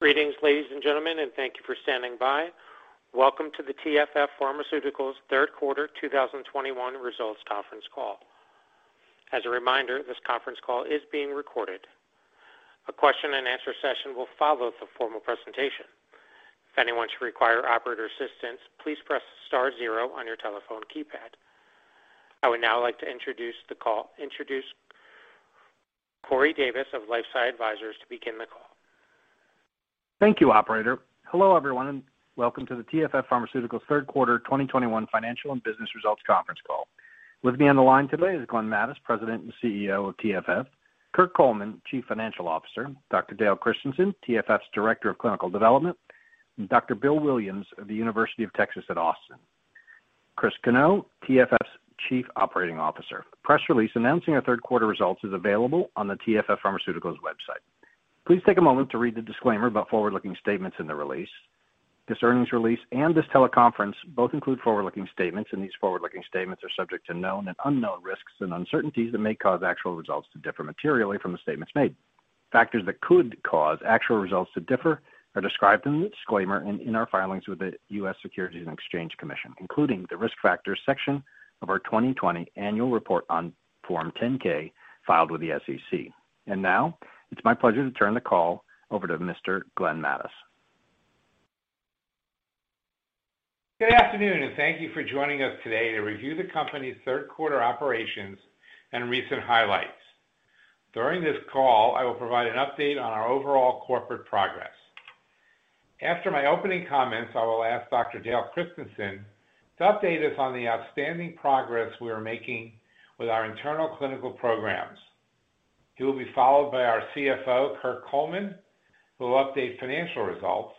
Greetings, ladies and gentlemen, and thank you for standing by. Welcome to the TFF Pharmaceuticals Q3 2021 results conference call. As a reminder, this conference call is being recorded. A question-and-answer session will follow the formal presentation. If anyone should require operator assistance, please press star zero on your telephone keypad. I would now like to introduce Corey Davis of LifeSci Advisors to begin the call. Thank you, operator. Hello everyone, and welcome to the TFF Pharmaceuticals Q3 2021 Financial and Business results conference call. With me on the line today is Glenn Mattes, President and CEO of TFF, Kirk Coleman, Chief Financial Officer, Dr. Dale Christensen, TFF's Director of Clinical Development, and Dr. Bill Williams of The University of Texas at Austin. Chris Cano, TFF's Chief Operating Officer. The press release announcing our Q3 results is available on the TFF Pharmaceuticals website. Please take a moment to read the disclaimer about forward-looking statements in the release. This earnings release and this teleconference both include forward-looking statements, and these forward-looking statements are subject to known and unknown risks and uncertainties that may cause actual results to differ materially from the statements made. Factors that could cause actual results to differ are described in the disclaimer and in our filings with the U.S. Securities and Exchange Commission, including the Risk Factors section of our 2020 Annual Report on Form 10-K filed with the SEC. Now, it's my pleasure to turn the call over to Mr. Glenn Mattes. Good afternoon, and thank you for joining us today to review the company's Q3 operations and recent highlights. During this call, I will provide an update on our overall corporate progress. After my opening comments, I will ask Dr. Dale Christensen to update us on the outstanding progress we are making with our internal clinical programs. He will be followed by our CFO, Kirk Coleman, who will update financial results.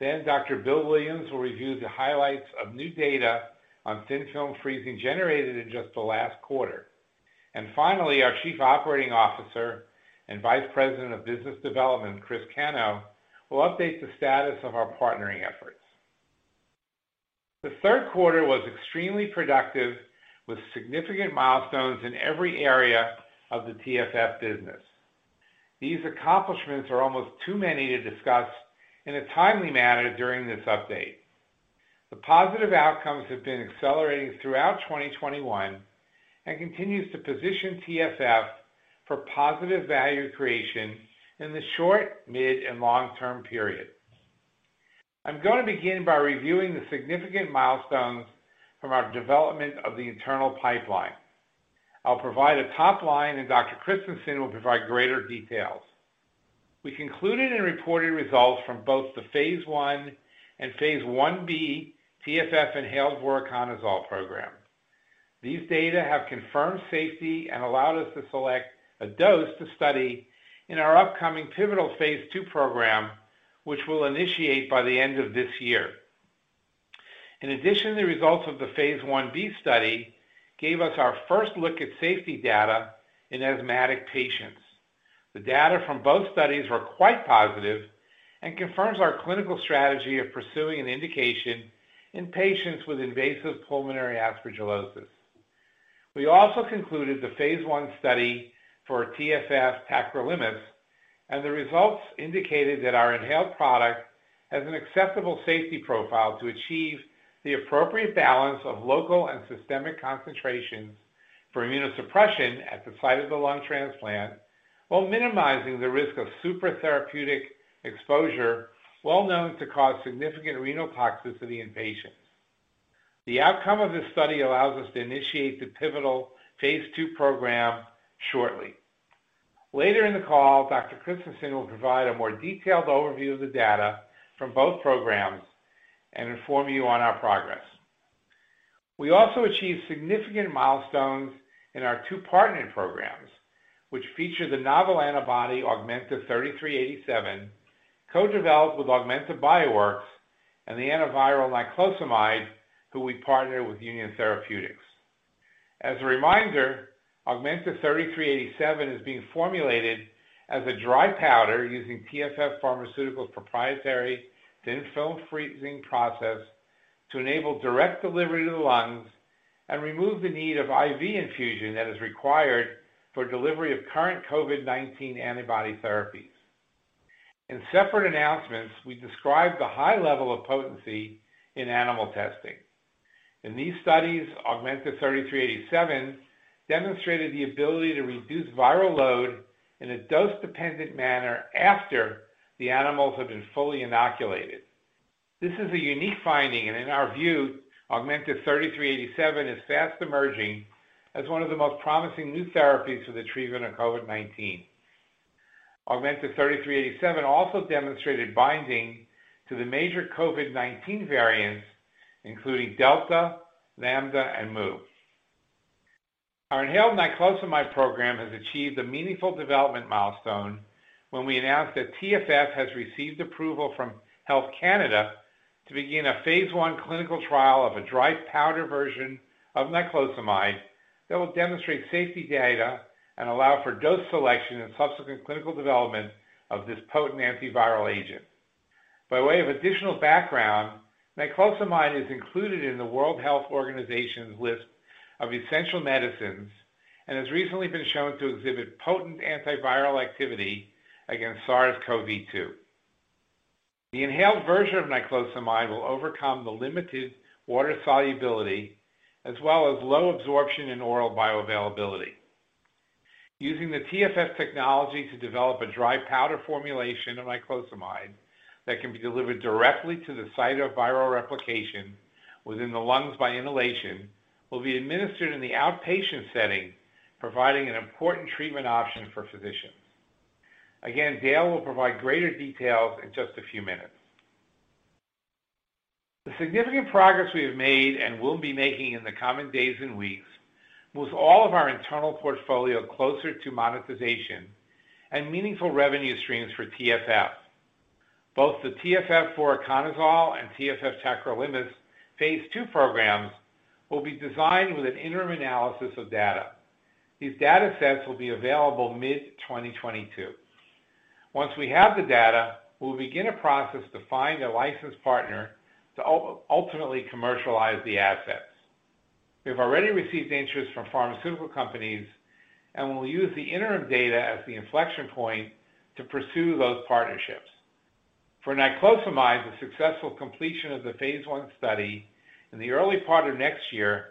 Then Dr. Bill Williams will review the highlights of new data on Thin Film Freezing generated in just the last quarter. Finally, our Chief Operating Officer and Vice President of Business Development, Chris Cano, will update the status of our partnering efforts. The Q3 was extremely productive with significant milestones in every area of the TFF business. These accomplishments are almost too many to discuss in a timely manner during this update. The positive outcomes have been accelerating throughout 2021 and continue to position TFF for positive value creation in the short, mid, and long-term periods. I'm going to begin by reviewing the significant milestones from our development of the internal pipeline. I'll provide a top line, and Dr. Christensen will provide greater details. We concluded and reported results from both the phase I and phase I-B TFF inhaled voriconazole program. These data have confirmed safety and allowed us to select a dose to study in our upcoming pivotal phase II program, which we'll initiate by the end of this year. In addition, the results of the phase I-B study gave us our first look at safety data in asthmatic patients. The data from both studies were quite positive and confirm our clinical strategy of pursuing an indication in patients with invasive pulmonary aspergillosis. We concluded the phase I study for TFF Tacrolimus, and the results indicated that our inhaled product has an acceptable safety profile to achieve the appropriate balance of local and systemic concentrations for immunosuppression at the site of the lung transplant while minimizing the risk of supratherapeutic exposure well known to cause significant renal toxicity in patients. The outcome of this study allows us to initiate the pivotal phase II program shortly. Later in the call, Dr. Christensen will provide a more detailed overview of the data from both programs and inform you on our progress. We achieved significant milestones in our two partnered programs, which feature the novel antibody, AUG-3387, co-developed with Augmenta Bioworks, and the antiviral niclosamide, who we partnered with UNION Therapeutics. As a reminder, AUG-3387 is being formulated as a dry powder using TFF Pharmaceuticals' proprietary Thin Film Freezing process to enable direct delivery to the lungs and remove the need of IV infusion that is required for delivery of current COVID-19 antibody therapies. In separate announcements, we described the high level of potency in animal testing. In these studies, AUG-3387 demonstrated the ability to reduce viral load in a dose-dependent manner after the animals had been fully inoculated. This is a unique finding, and in our view, AUG-3387 is fast emerging as one of the most promising new therapies for the treatment of COVID-19. AUG-3387 also demonstrated binding to the major COVID-19 variants, including Delta, Lambda, and Mu. Our inhaled niclosamide program has achieved a meaningful development milestone when we announced that TFF has received approval from Health Canada to begin a phase I clinical trial of a dry powder version of niclosamide that will demonstrate safety data and allow for dose selection and subsequent clinical development of this potent antiviral agent. By way of additional background, niclosamide is included in the World Health Organization's list of essential medicines and has recently been shown to exhibit potent antiviral activity against SARS-CoV-2. The inhaled version of niclosamide will overcome the limited water solubility as well as low absorption and oral bioavailability. Using the TFF technology to develop a dry powder formulation of niclosamide that can be delivered directly to the site of viral replication within the lungs by inhalation will be administered in the outpatient setting, providing an important treatment option for physicians. Again, Dale will provide greater details in just a few minutes. The significant progress we have made and will be making in the coming days and weeks moves all of our internal portfolio closer to monetization and meaningful revenue streams for TFF. Both the TFF Voriconazole and TFF Tacrolimus phase II programs will be designed with an interim analysis of data. These data sets will be available mid-2022. Once we have the data, we will begin a process to find a licensed partner to ultimately commercialize the assets. We have already received interest from pharmaceutical companies and will use the interim data as the inflection point to pursue those partnerships. For niclosamide, the successful completion of the phase I study in the early part of next year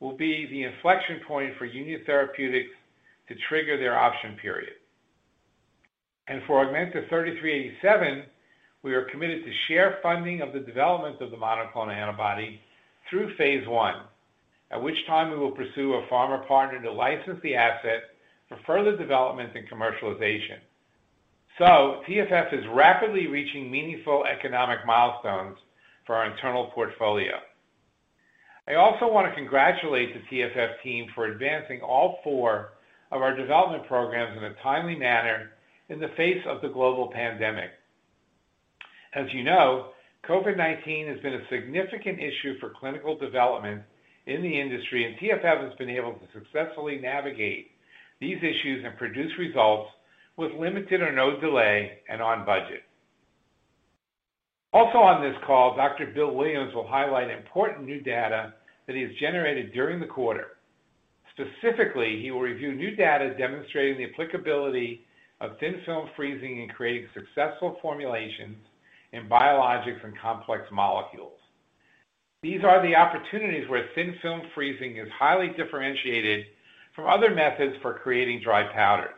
will be the inflection point for UNION Therapeutics to trigger their option period. For AUG-3387, we are committed to share funding of the development of the monoclonal antibody through phase I, at which time we will pursue a pharma partner to license the asset for further development and commercialization. TFF is rapidly reaching meaningful economic milestones for our internal portfolio. I also want to congratulate the TFF team for advancing all four of our development programs in a timely manner in the face of the global pandemic. As you know, COVID-19 has been a significant issue for clinical development in the industry, and TFF has been able to successfully navigate these issues and produce results with limited or no delay and on budget. Also on this call, Dr. Bill Williams will highlight important new data that he has generated during the quarter. Specifically, he will review new data demonstrating the applicability of Thin Film Freezing in creating successful formulations in biologics and complex molecules. These are the opportunities where Thin Film Freezing is highly differentiated from other methods for creating dry powders.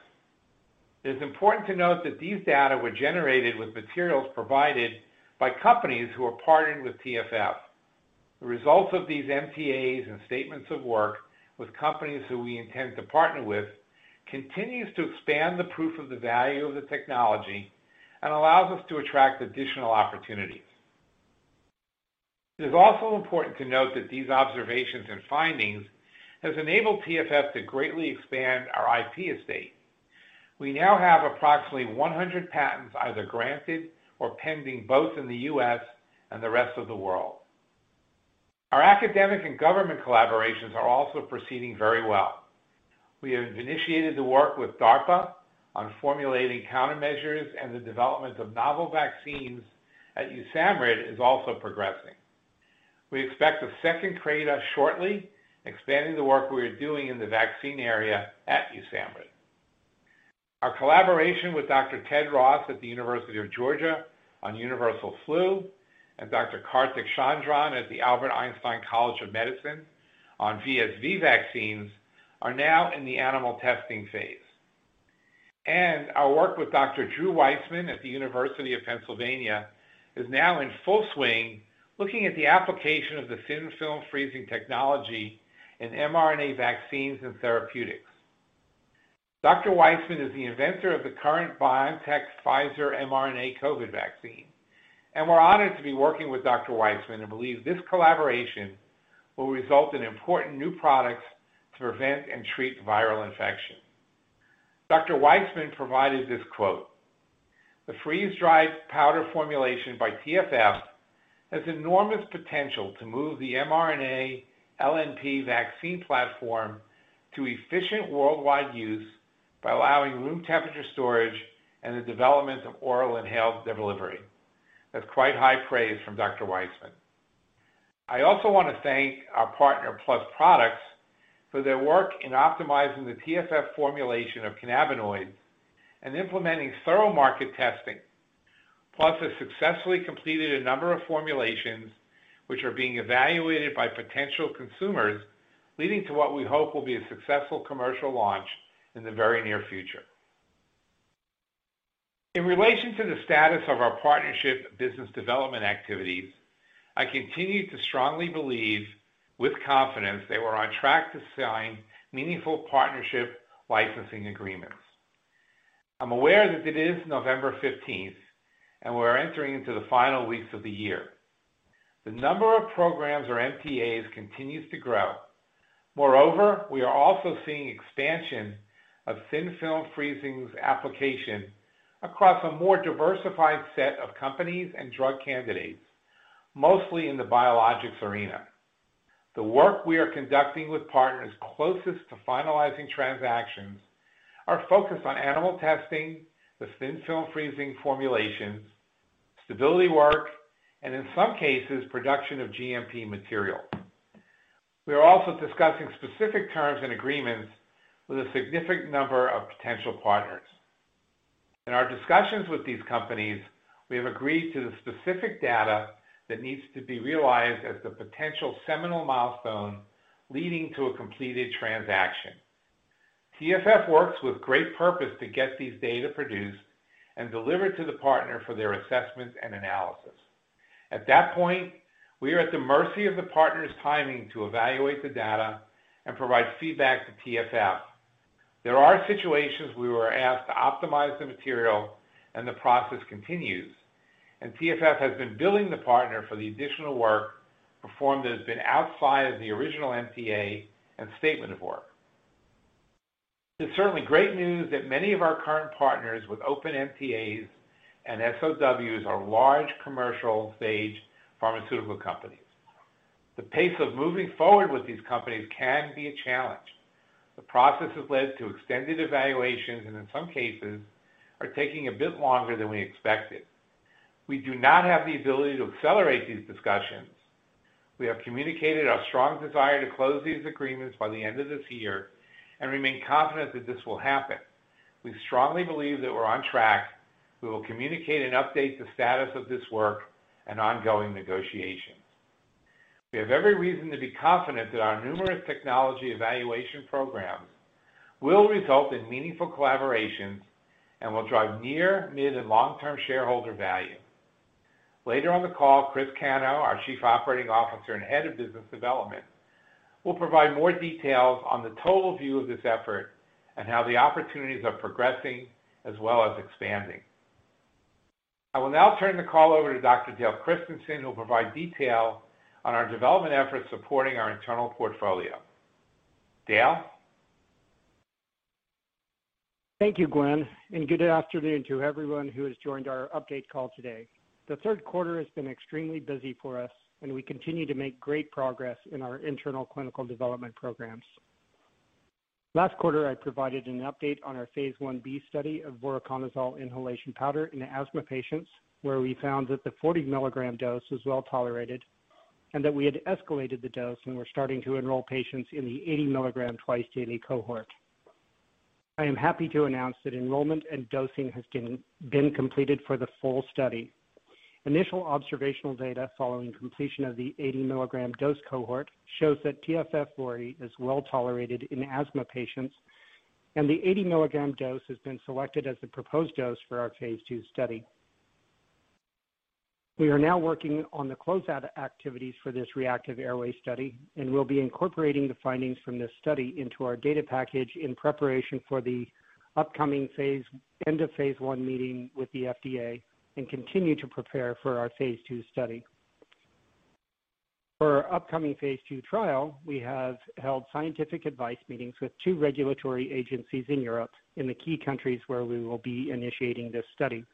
It is important to note that these data were generated with materials provided by companies who are partnered with TFF. The results of these MTAs and statements of work with companies who we intend to partner with continues to expand the proof of the value of the technology and allows us to attract additional opportunities. It is also important to note that these observations and findings has enabled TFF to greatly expand our IP estate. We now have approximately 100 patents either granted or pending, both in the U.S. and the rest of the world. Our academic and government collaborations are also proceeding very well. We have initiated the work with DARPA on formulating countermeasures, and the development of novel vaccines at USAMRIID is also progressing. We expect a second CRADA shortly, expanding the work we are doing in the vaccine area at USAMRIID. Our collaboration with Dr. Ted Ross at the University of Georgia on universal flu and Dr. Kartik Chandran at the Albert Einstein College of Medicine on VSV vaccines are now in the animal testing phase. Our work with Dr. Drew Weissman at the University of Pennsylvania is now in full swing, looking at the application of the Thin Film Freezing technology in mRNA vaccines and therapeutics. Dr. Weissman is the inventor of the current BioNTech Pfizer mRNA COVID vaccine, and we're honored to be working with Dr. Weissman and believe this collaboration will result in important new products to prevent and treat viral infections. Dr. Weissman provided this quote, "The freeze-dried powder formulation by TFF has enormous potential to move the mRNA LNP vaccine platform to efficient worldwide use by allowing room temperature storage and the development of oral inhaled delivery." That's quite high praise from Dr. Drew Weissman. I also want to thank our partner, Plus Products, for their work in optimizing the TFF formulation of cannabinoids and implementing thorough market testing. Plus has successfully completed a number of formulations which are being evaluated by potential consumers, leading to what we hope will be a successful commercial launch in the very near future. In relation to the status of our partnership business development activities, I continue to strongly believe with confidence that we're on track to sign meaningful partnership licensing agreements. I'm aware that it is November fifteenth, and we're entering into the final weeks of the year. The number of programs or MPAs continues to grow. Moreover, we are also seeing expansion of Thin Film Freezing's application across a more diversified set of companies and drug candidates, mostly in the biologics arena. The work we are conducting with partners closest to finalizing transactions are focused on animal testing, the Thin Film Freezing formulations, stability work, and in some cases, production of GMP material. We are also discussing specific terms and agreements with a significant number of potential partners. In our discussions with these companies, we have agreed to the specific data that needs to be realized as the potential seminal milestone leading to a completed transaction. TFF works with great purpose to get these data produced and delivered to the partner for their assessment and analysis. At that point, we are at the mercy of the partner's timing to evaluate the data and provide feedback to TFF. There are situations we were asked to optimize the material and the process continues, and TFF has been billing the partner for the additional work performed that has been outside of the original MTA and statement of work. It's certainly great news that many of our current partners with open MTAs and SOWs are large commercial stage pharmaceutical companies. The pace of moving forward with these companies can be a challenge. The process has led to extended evaluations and in some cases are taking a bit longer than we expected. We do not have the ability to accelerate these discussions. We have communicated our strong desire to close these agreements by the end of this year and remain confident that this will happen. We strongly believe that we're on track. We will communicate and update the status of this work and ongoing negotiations. We have every reason to be confident that our numerous technology evaluation programs will result in meaningful collaborations and will drive near, mid, and long-term shareholder value. Later on the call, Chris Cano, our Chief Operating Officer and Head of Business Development, will provide more details on the total view of this effort and how the opportunities are progressing as well as expanding. I will now turn the call over to Dr. Dale Christensen, who will provide detail on our development efforts supporting our internal portfolio. Dale? Thank you, Glenn, and good afternoon to everyone who has joined our update call today. The Q3 has been extremely busy for us, and we continue to make great progress in our internal clinical development programs. Last quarter, I provided an update on our phase I-B study of voriconazole inhalation powder in asthma patients, where we found that the 40mg dose was well-tolerated and that we had escalated the dose and were starting to enroll patients in the 80mg twice-daily cohort. I am happy to announce that enrollment and dosing has been completed for the full study. Initial observational data following completion of the 80mg dose cohort shows that TFF 480 is well-tolerated in asthma patients, and the 80mg dose has been selected as the proposed dose for our phase II study. We are now working on the closeout activities for this reactive airway study, and we'll be incorporating the findings from this study into our data package in preparation for the upcoming end of phase I meeting with the FDA and continue to prepare for our phase II study. For our upcoming phase II trial, we have held scientific advice meetings with two regulatory agencies in Europe in the key countries where we will be initiating this study.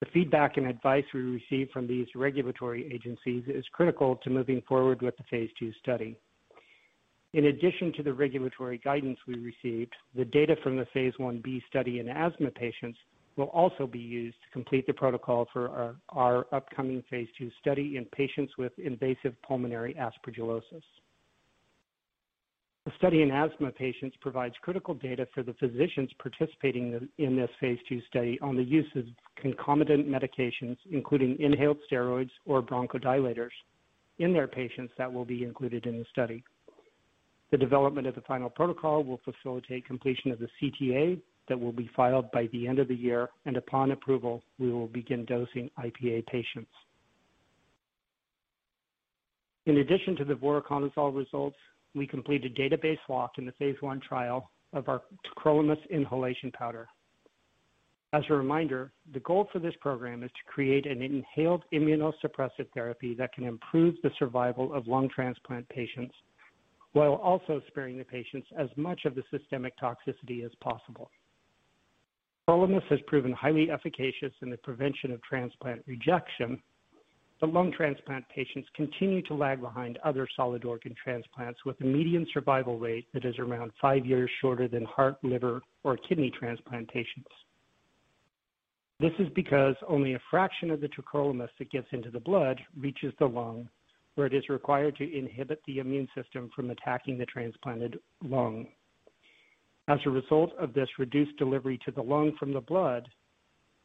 The feedback and advice we receive from these regulatory agencies is critical to moving forward with the phase II study. In addition to the regulatory guidance we received, the data from the phase I-B study in asthma patients will also be used to complete the protocol for our upcoming phase II study in patients with invasive pulmonary aspergillosis. The study in asthma patients provides critical data for the physicians participating in this phase II study on the use of concomitant medications, including inhaled steroids or bronchodilators in their patients that will be included in the study. The development of the final protocol will facilitate completion of the CTA that will be filed by the end of the year, and upon approval, we will begin dosing IPA patients. In addition to the voriconazole results, we completed database lock in the phase I trial of our tacrolimus inhalation powder. As a reminder, the goal for this program is to create an inhaled immunosuppressive therapy that can improve the survival of lung transplant patients while also sparing the patients as much of the systemic toxicity as possible. tacrolimus has proven highly efficacious in the prevention of transplant rejection, but lung transplant patients continue to lag behind other solid organ transplants with a median survival rate that is around five years shorter than heart, liver, or kidney transplant patients. This is because only a fraction of the tacrolimus that gets into the blood reaches the lung, where it is required to inhibit the immune system from attacking the transplanted lung. As a result of this reduced delivery to the lung from the blood,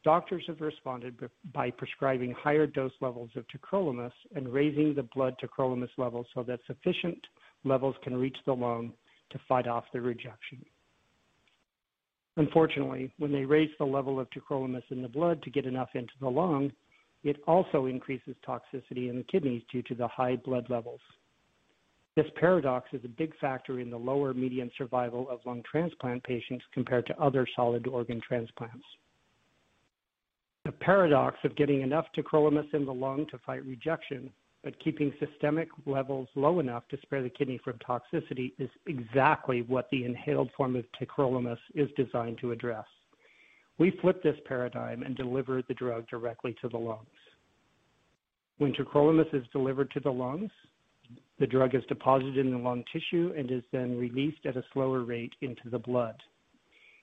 doctors have responded by prescribing higher dose levels of tacrolimus and raising the blood tacrolimus levels so that sufficient levels can reach the lung to fight off the rejection. Unfortunately, when they raise the level of tacrolimus in the blood to get enough into the lung, it also increases toxicity in the kidneys due to the high blood levels. This paradox is a big factor in the lower median survival of lung transplant patients compared to other solid organ transplants. The paradox of getting enough tacrolimus in the lung to fight rejection but keeping systemic levels low enough to spare the kidney from toxicity is exactly what the inhaled form of tacrolimus is designed to address. We flip this paradigm and deliver the drug directly to the lungs. When tacrolimus is delivered to the lungs, the drug is deposited in the lung tissue and is then released at a slower rate into the blood.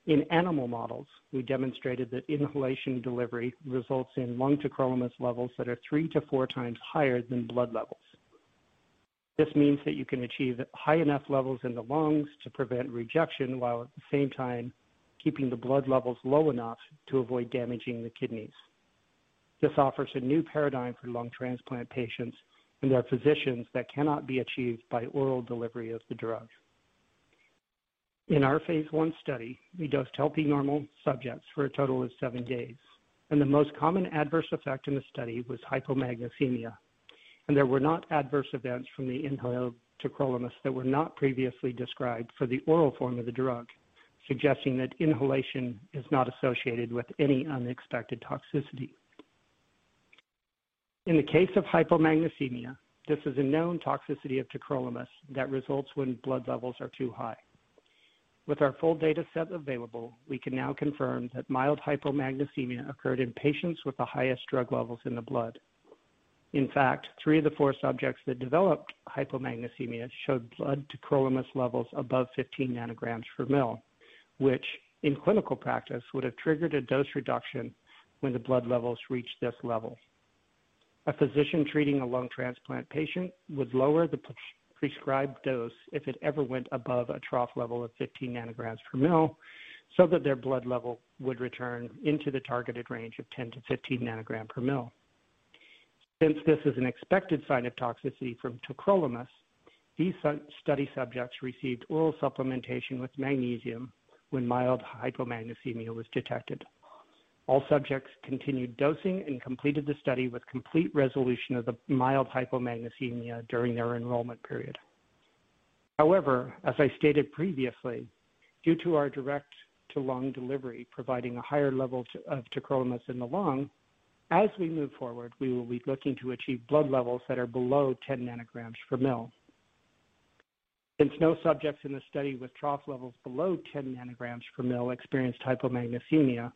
In animal models, we demonstrated that inhalation delivery results in lung tacrolimus levels that are 3x-4x higher than blood levels. This means that you can achieve high enough levels in the lungs to prevent rejection, while at the same time keeping the blood levels low enough to avoid damaging the kidneys. This offers a new paradigm for lung transplant patients and their physicians that cannot be achieved by oral delivery of the drug. In our phase I study, we dosed healthy normal subjects for a total of seven days, and the most common adverse effect in the study was hypomagnesemia, and there were no adverse events from the inhaled tacrolimus that were not previously described for the oral form of the drug, suggesting that inhalation is not associated with any unexpected toxicity. In the case of hypomagnesemia, this is a known toxicity of tacrolimus that results when blood levels are too high. With our full data set available, we can now confirm that mild hypomagnesemia occurred in patients with the highest drug levels in the blood. In fact, three of the four subjects that developed hypomagnesemia showed blood tacrolimus levels above 15 ng/mL, which in clinical practice would have triggered a dose reduction when the blood levels reached this level. A physician treating a lung transplant patient would lower the pre-prescribed dose if it ever went above a trough level of 15 ng/mL, so that their blood level would return into the targeted range of 10-15 ng/mL. Since this is an expected sign of toxicity from tacrolimus, these sub-study subjects received oral supplementation with magnesium when mild hypomagnesemia was detected. All subjects continued dosing and completed the study with complete resolution of the mild hypomagnesemia during their enrollment period. However, as I stated previously, due to our direct-to-lung delivery providing a higher level of tacrolimus in the lung, as we move forward, we will be looking to achieve blood levels that are below 10 ng/mL. Since no subjects in the study with trough levels below 10 ng/mL experienced hypomagnesemia,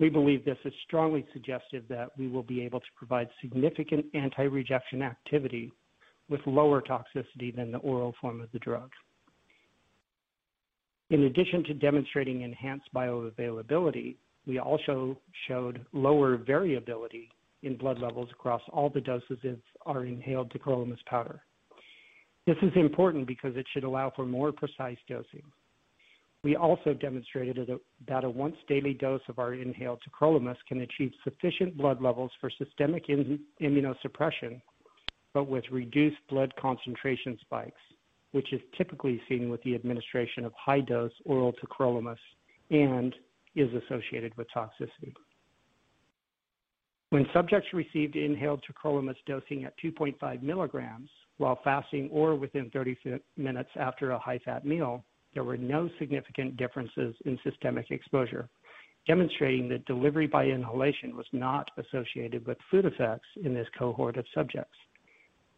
we believe this has strongly suggested that we will be able to provide significant anti-rejection activity with lower toxicity than the oral form of the drug. In addition to demonstrating enhanced bioavailability, we also showed lower variability in blood levels across all the doses of our inhaled tacrolimus powder. This is important because it should allow for more precise dosing. We also demonstrated that a once daily dose of our inhaled tacrolimus can achieve sufficient blood levels for systemic immunosuppression, but with reduced blood concentration spikes, which is typically seen with the administration of high-dose oral tacrolimus and is associated with toxicity. When subjects received inhaled tacrolimus dosing at 2.5 mg while fasting or within 30 minutes after a high-fat meal, there were no significant differences in systemic exposure, demonstrating that delivery by inhalation was not associated with food effects in this cohort of subjects.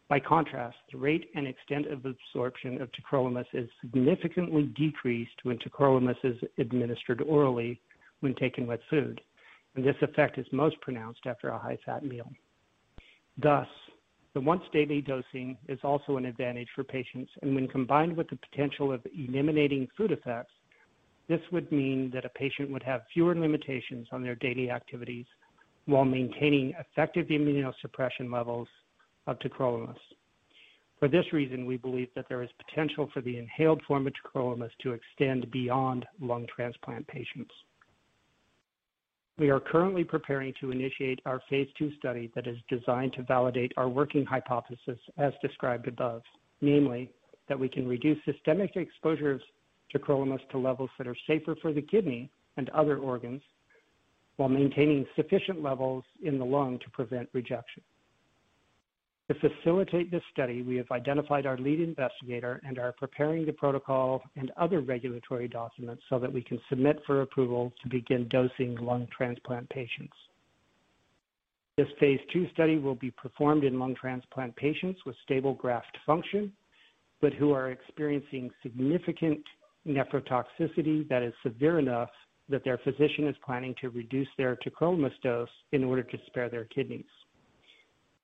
By contrast, the rate and extent of absorption of tacrolimus is significantly decreased when tacrolimus is administered orally when taken with food, and this effect is most pronounced after a high-fat meal. Thus, the once daily dosing is also an advantage for patients, and when combined with the potential of eliminating food effects, this would mean that a patient would have fewer limitations on their daily activities while maintaining effective immunosuppression levels of tacrolimus. For this reason, we believe that there is potential for the inhaled form of tacrolimus to extend beyond lung transplant patients. We are currently preparing to initiate our phase II study that is designed to validate our working hypothesis as described above, namely that we can reduce systemic exposure of tacrolimus to levels that are safer for the kidney and other organs while maintaining sufficient levels in the lung to prevent rejection. To facilitate this study, we have identified our lead investigator and are preparing the protocol and other regulatory documents so that we can submit for approval to begin dosing lung transplant patients. This phase II study will be performed in lung transplant patients with stable graft function, but who are experiencing significant nephrotoxicity that is severe enough that their physician is planning to reduce their tacrolimus dose in order to spare their kidneys.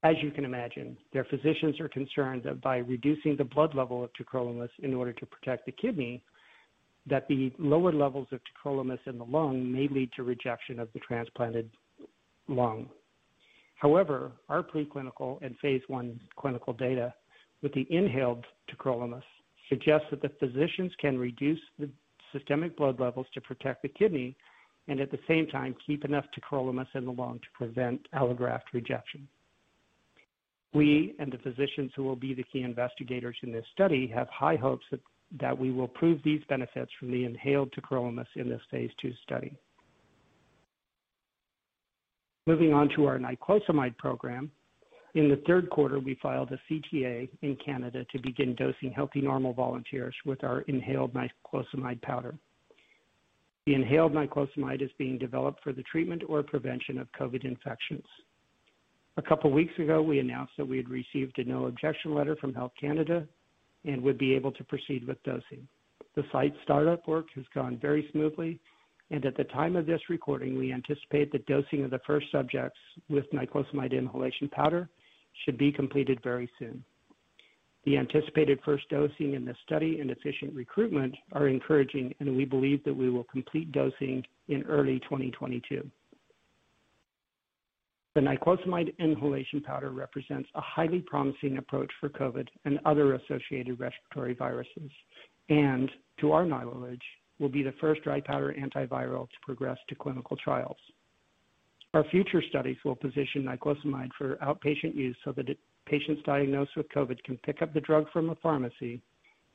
As you can imagine, their physicians are concerned that by reducing the blood level of tacrolimus in order to protect the kidney, that the lower levels of tacrolimus in the lung may lead to rejection of the transplanted lung. However, our preclinical and phase I clinical data with the inhaled tacrolimus suggests that the physicians can reduce the systemic blood levels to protect the kidney and at the same time keep enough tacrolimus in the lung to prevent allograft rejection. We and the physicians who will be the key investigators in this study have high hopes that we will prove these benefits from the inhaled tacrolimus in this phase II study. Moving on to our niclosamide program. In the Q3, we filed a CTA in Canada to begin dosing healthy normal volunteers with our inhaled niclosamide powder. The inhaled niclosamide is being developed for the treatment or prevention of COVID infections. A couple weeks ago, we announced that we had received a no objection letter from Health Canada and would be able to proceed with dosing. The site startup work has gone very smoothly, and at the time of this recording, we anticipate the dosing of the first subjects with niclosamide inhalation powder should be completed very soon. The anticipated first dosing in this study and efficient recruitment are encouraging, and we believe that we will complete dosing in early 2022. The niclosamide inhalation powder represents a highly promising approach for COVID and other associated respiratory viruses, and to our knowledge, will be the first dry powder antiviral to progress to clinical trials. Our future studies will position niclosamide for outpatient use so that patients diagnosed with COVID can pick up the drug from a pharmacy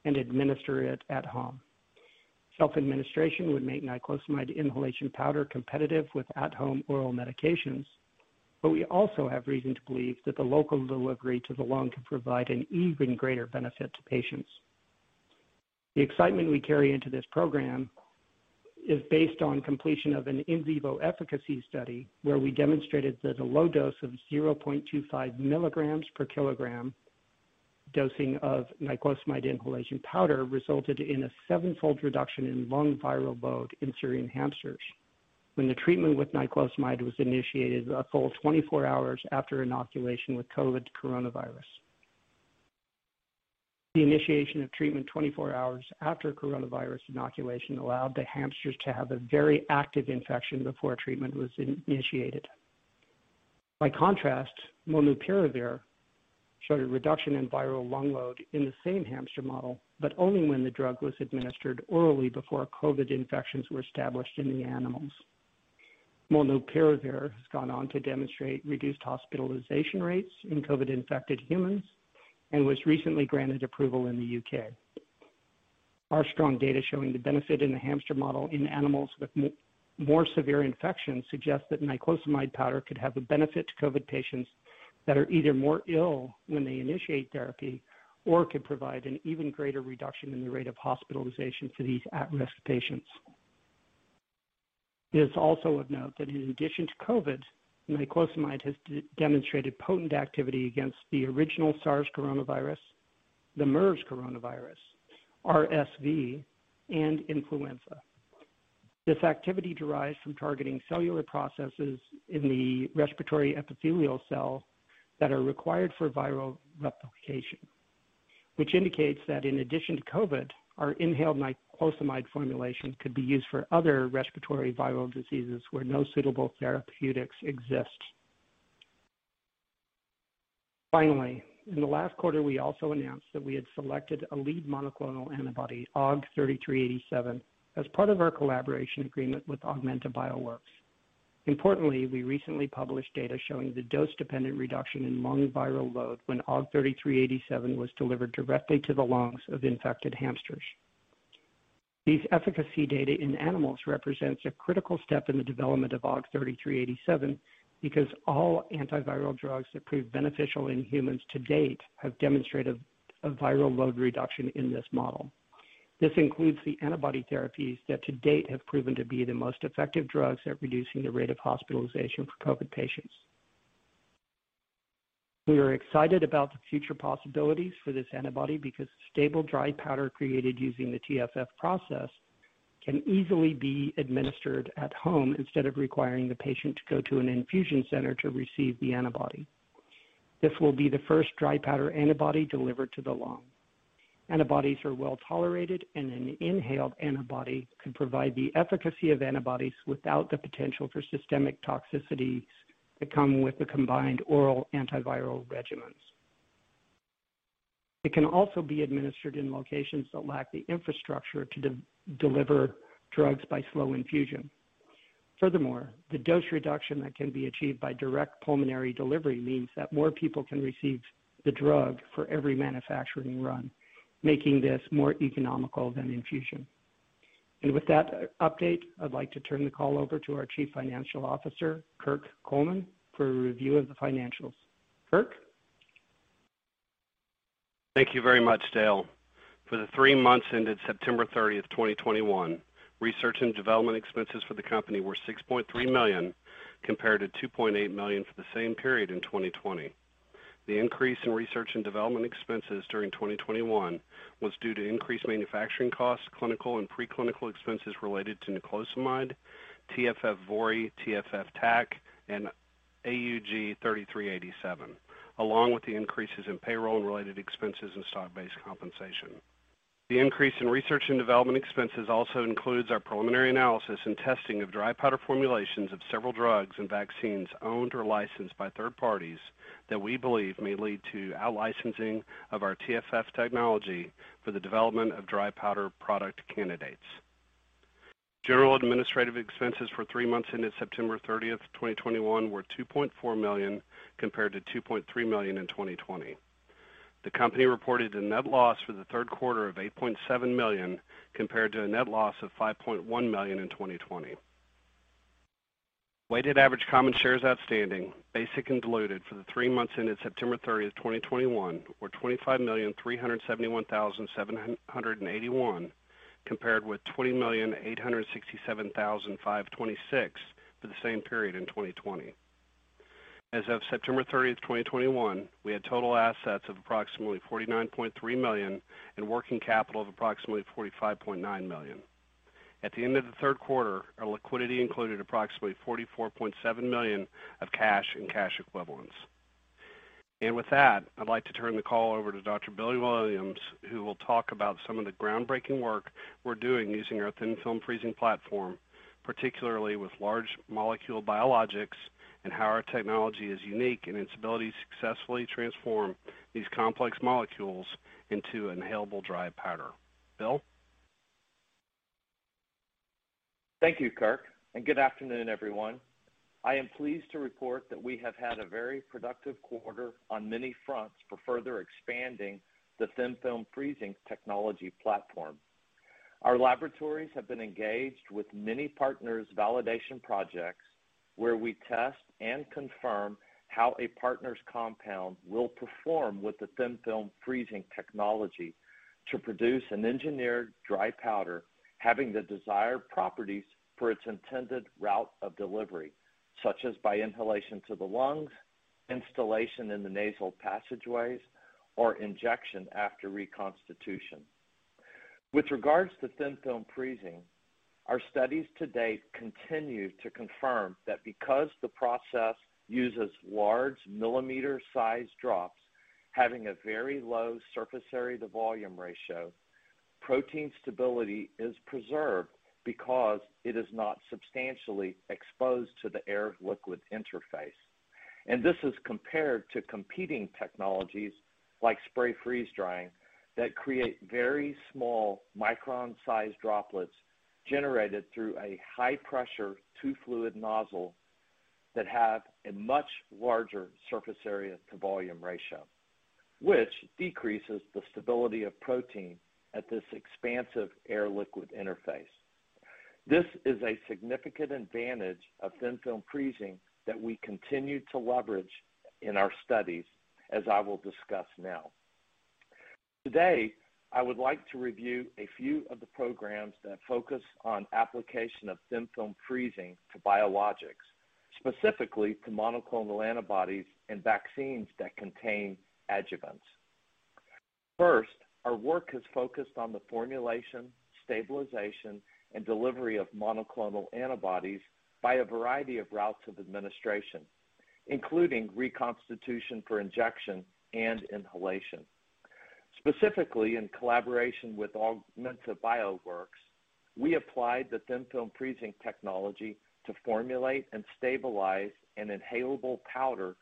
and administer it at home. Self-administration would make niclosamide inhalation powder competitive with at-home oral medications. We also have reason to believe that the local delivery to the lung could provide an even greater benefit to patients. The excitement we carry into this program is based on completion of an in vivo efficacy study where we demonstrated that a low dose of 0.25 mg/kg dosing of niclosamide inhalation powder resulted in a seven-fold reduction in lung viral load in Syrian hamsters when the treatment with niclosamide was initiated a full 24 hours after inoculation with COVID coronavirus. The initiation of treatment 24 hours after coronavirus inoculation allowed the hamsters to have a very active infection before treatment was initiated. By contrast, molnupiravir showed a reduction in viral lung load in the same hamster model but only when the drug was administered orally before COVID infections were established in the animals. Molnupiravir has gone on to demonstrate reduced hospitalization rates in COVID-infected humans and was recently granted approval in the U.K. Our strong data showing the benefit in the hamster model in animals with more severe infections suggest that niclosamide powder could have a benefit to COVID patients that are either more ill when they initiate therapy or could provide an even greater reduction in the rate of hospitalization for these at-risk patients. It is also of note that in addition to COVID, niclosamide has demonstrated potent activity against the original SARS coronavirus, the MERS coronavirus, RSV, and influenza. This activity derives from targeting cellular processes in the respiratory epithelial cell that are required for viral replication, which indicates that in addition to COVID, our inhaled niclosamide formulation could be used for other respiratory viral diseases where no suitable therapeutics exist. Finally, in the last quarter, we also announced that we had selected a lead monoclonal antibody, AUG-3387, as part of our collaboration agreement with Augmenta Bioworks. Importantly, we recently published data showing the dose-dependent reduction in lung viral load when AUG-3387 was delivered directly to the lungs of infected hamsters. These efficacy data in animals represents a critical step in the development of AUG-3387 because all antiviral drugs that proved beneficial in humans to date have demonstrated a viral load reduction in this model. This includes the antibody therapies that to date have proven to be the most effective drugs at reducing the rate of hospitalization for COVID patients. We are excited about the future possibilities for this antibody because stable dry powder created using the TFF process can easily be administered at home instead of requiring the patient to go to an infusion center to receive the antibody. This will be the first dry powder antibody delivered to the lung. Antibodies are well-tolerated, and an inhaled antibody could provide the efficacy of antibodies without the potential for systemic toxicities that come with the combined oral antiviral regimens. It can also be administered in locations that lack the infrastructure to deliver drugs by slow infusion. Furthermore, the dose reduction that can be achieved by direct pulmonary delivery means that more people can receive the drug for every manufacturing run, making this more economical than infusion. With that update, I'd like to turn the call over to our Chief Financial Officer, Kirk Coleman, for a review of the financials. Kirk. Thank you very much, Dale. For the three months ended September 30, 2021, research and development expenses for the company were $6.3 million compared to $2.8 million for the same period in 2020. The increase in research and development expenses during 2021 was due to increased manufacturing costs, clinical and preclinical expenses related to niclosamide, TFF VORI, TFF TAC, and AUG-3387, along with the increases in payroll and related expenses and stock-based compensation. The increase in research and development expenses also includes our preliminary analysis and testing of dry powder formulations of several drugs and vaccines owned or licensed by third parties that we believe may lead to out-licensing of our TFF technology for the development of dry powder product candidates. General administrative expenses for three months ended September 30, 2021 were $2.4 million compared to $2.3 million in 2020. The company reported a net loss for the Q3 of $8.7 million compared to a net loss of $5.1 million in 2020. Weighted average common shares outstanding, basic and diluted for the three months ended September 30, 2021 were 25,371,781 compared with 20,867,526 for the same period in 2020. As of September 30, 2021, we had total assets of approximately $49.3 million and working capital of approximately $45.9 million. At the end of the Q3, our liquidity included approximately $44.7 million of cash and cash equivalents. With that, I'd like to turn the call over to Dr. Bill Williams, who will talk about some of the groundbreaking work we're doing using our Thin Film Freezing platform, particularly with large molecule biologics, and how our technology is unique in its ability to successfully transform these complex molecules into an inhalable dry powder. Bill? Thank you, Kirk, and good afternoon, everyone. I am pleased to report that we have had a very productive quarter on many fronts for further expanding the Thin Film Freezing technology platform. Our laboratories have been engaged with many partners validation projects where we test and confirm how a partner's compound will perform with the Thin Film Freezing technology to produce an engineered dry powder having the desired properties for its intended route of delivery, such as by inhalation to the lungs, instillation in the nasal passageways, or injection after reconstitution. With regards to Thin Film Freezing, our studies to date continue to confirm that because the process uses large millimeter-sized drops having a very low surface area-to-volume ratio, protein stability is preserved because it is not substantially exposed to the air-liquid interface. This is compared to competing technologies like spray-freeze-drying that create very small micron-sized droplets generated through a high-pressure two-fluid nozzle that have a much larger surface area-to-volume ratio, which decreases the stability of protein at this expansive air-liquid interface. This is a significant advantage of Thin Film Freezing that we continue to leverage in our studies, as I will discuss now. Today, I would like to review a few of the programs that focus on application of Thin Film Freezing to biologics, specifically to monoclonal antibodies and vaccines that contain adjuvants. First, our work has focused on the formulation, stabilization, and delivery of monoclonal antibodies by a variety of routes of administration, including reconstitution for injection and inhalation. Specifically, in collaboration with Augmenta Bioworks, we applied the Thin Film Freezing technology to formulate and stabilize an inhalable powder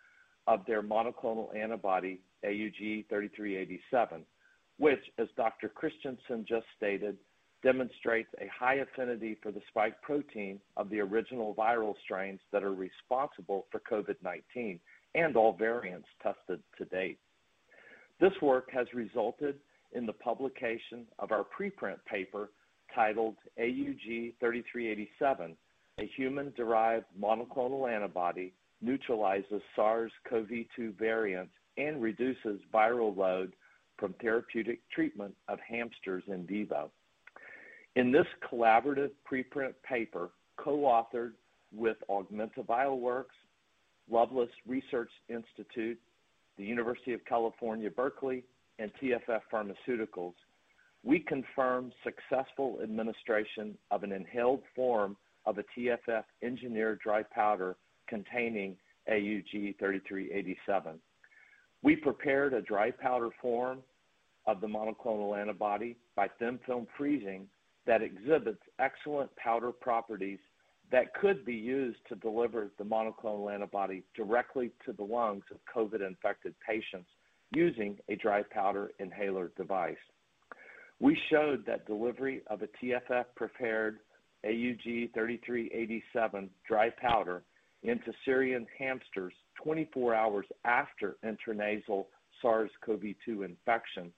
of their monoclonal antibody, AUG-3387, which, as Dr. Christensen just stated that it demonstrates a high affinity for the spike protein of the original viral strains that are responsible for COVID-19 and all variants tested to date. This work has resulted in the publication of our preprint paper titled AUG-3387, Human-Derived Monoclonal Antibody Neutralizes SARS-CoV-2 Variants and Reduces Viral Load from Therapeutic Treatment of Hamsters In Vivo. In this collaborative preprint paper, co-authored with Augmenta Bioworks, Lovelace Respiratory Research Institute, the University of California, Berkeley, and TFF Pharmaceuticals, we confirm successful administration of an inhaled form of a TFF-engineered dry powder containing AUG-3387. We prepared a dry powder form of the monoclonal antibody by Thin Film Freezing that exhibits excellent powder properties that could be used to deliver the monoclonal antibody directly to the lungs of COVID-infected patients using a dry powder inhaler device. We showed that delivery of a TFF-prepared AUG-3387 dry powder into Syrian hamsters 24 hours after intranasal SARS-CoV-2 infection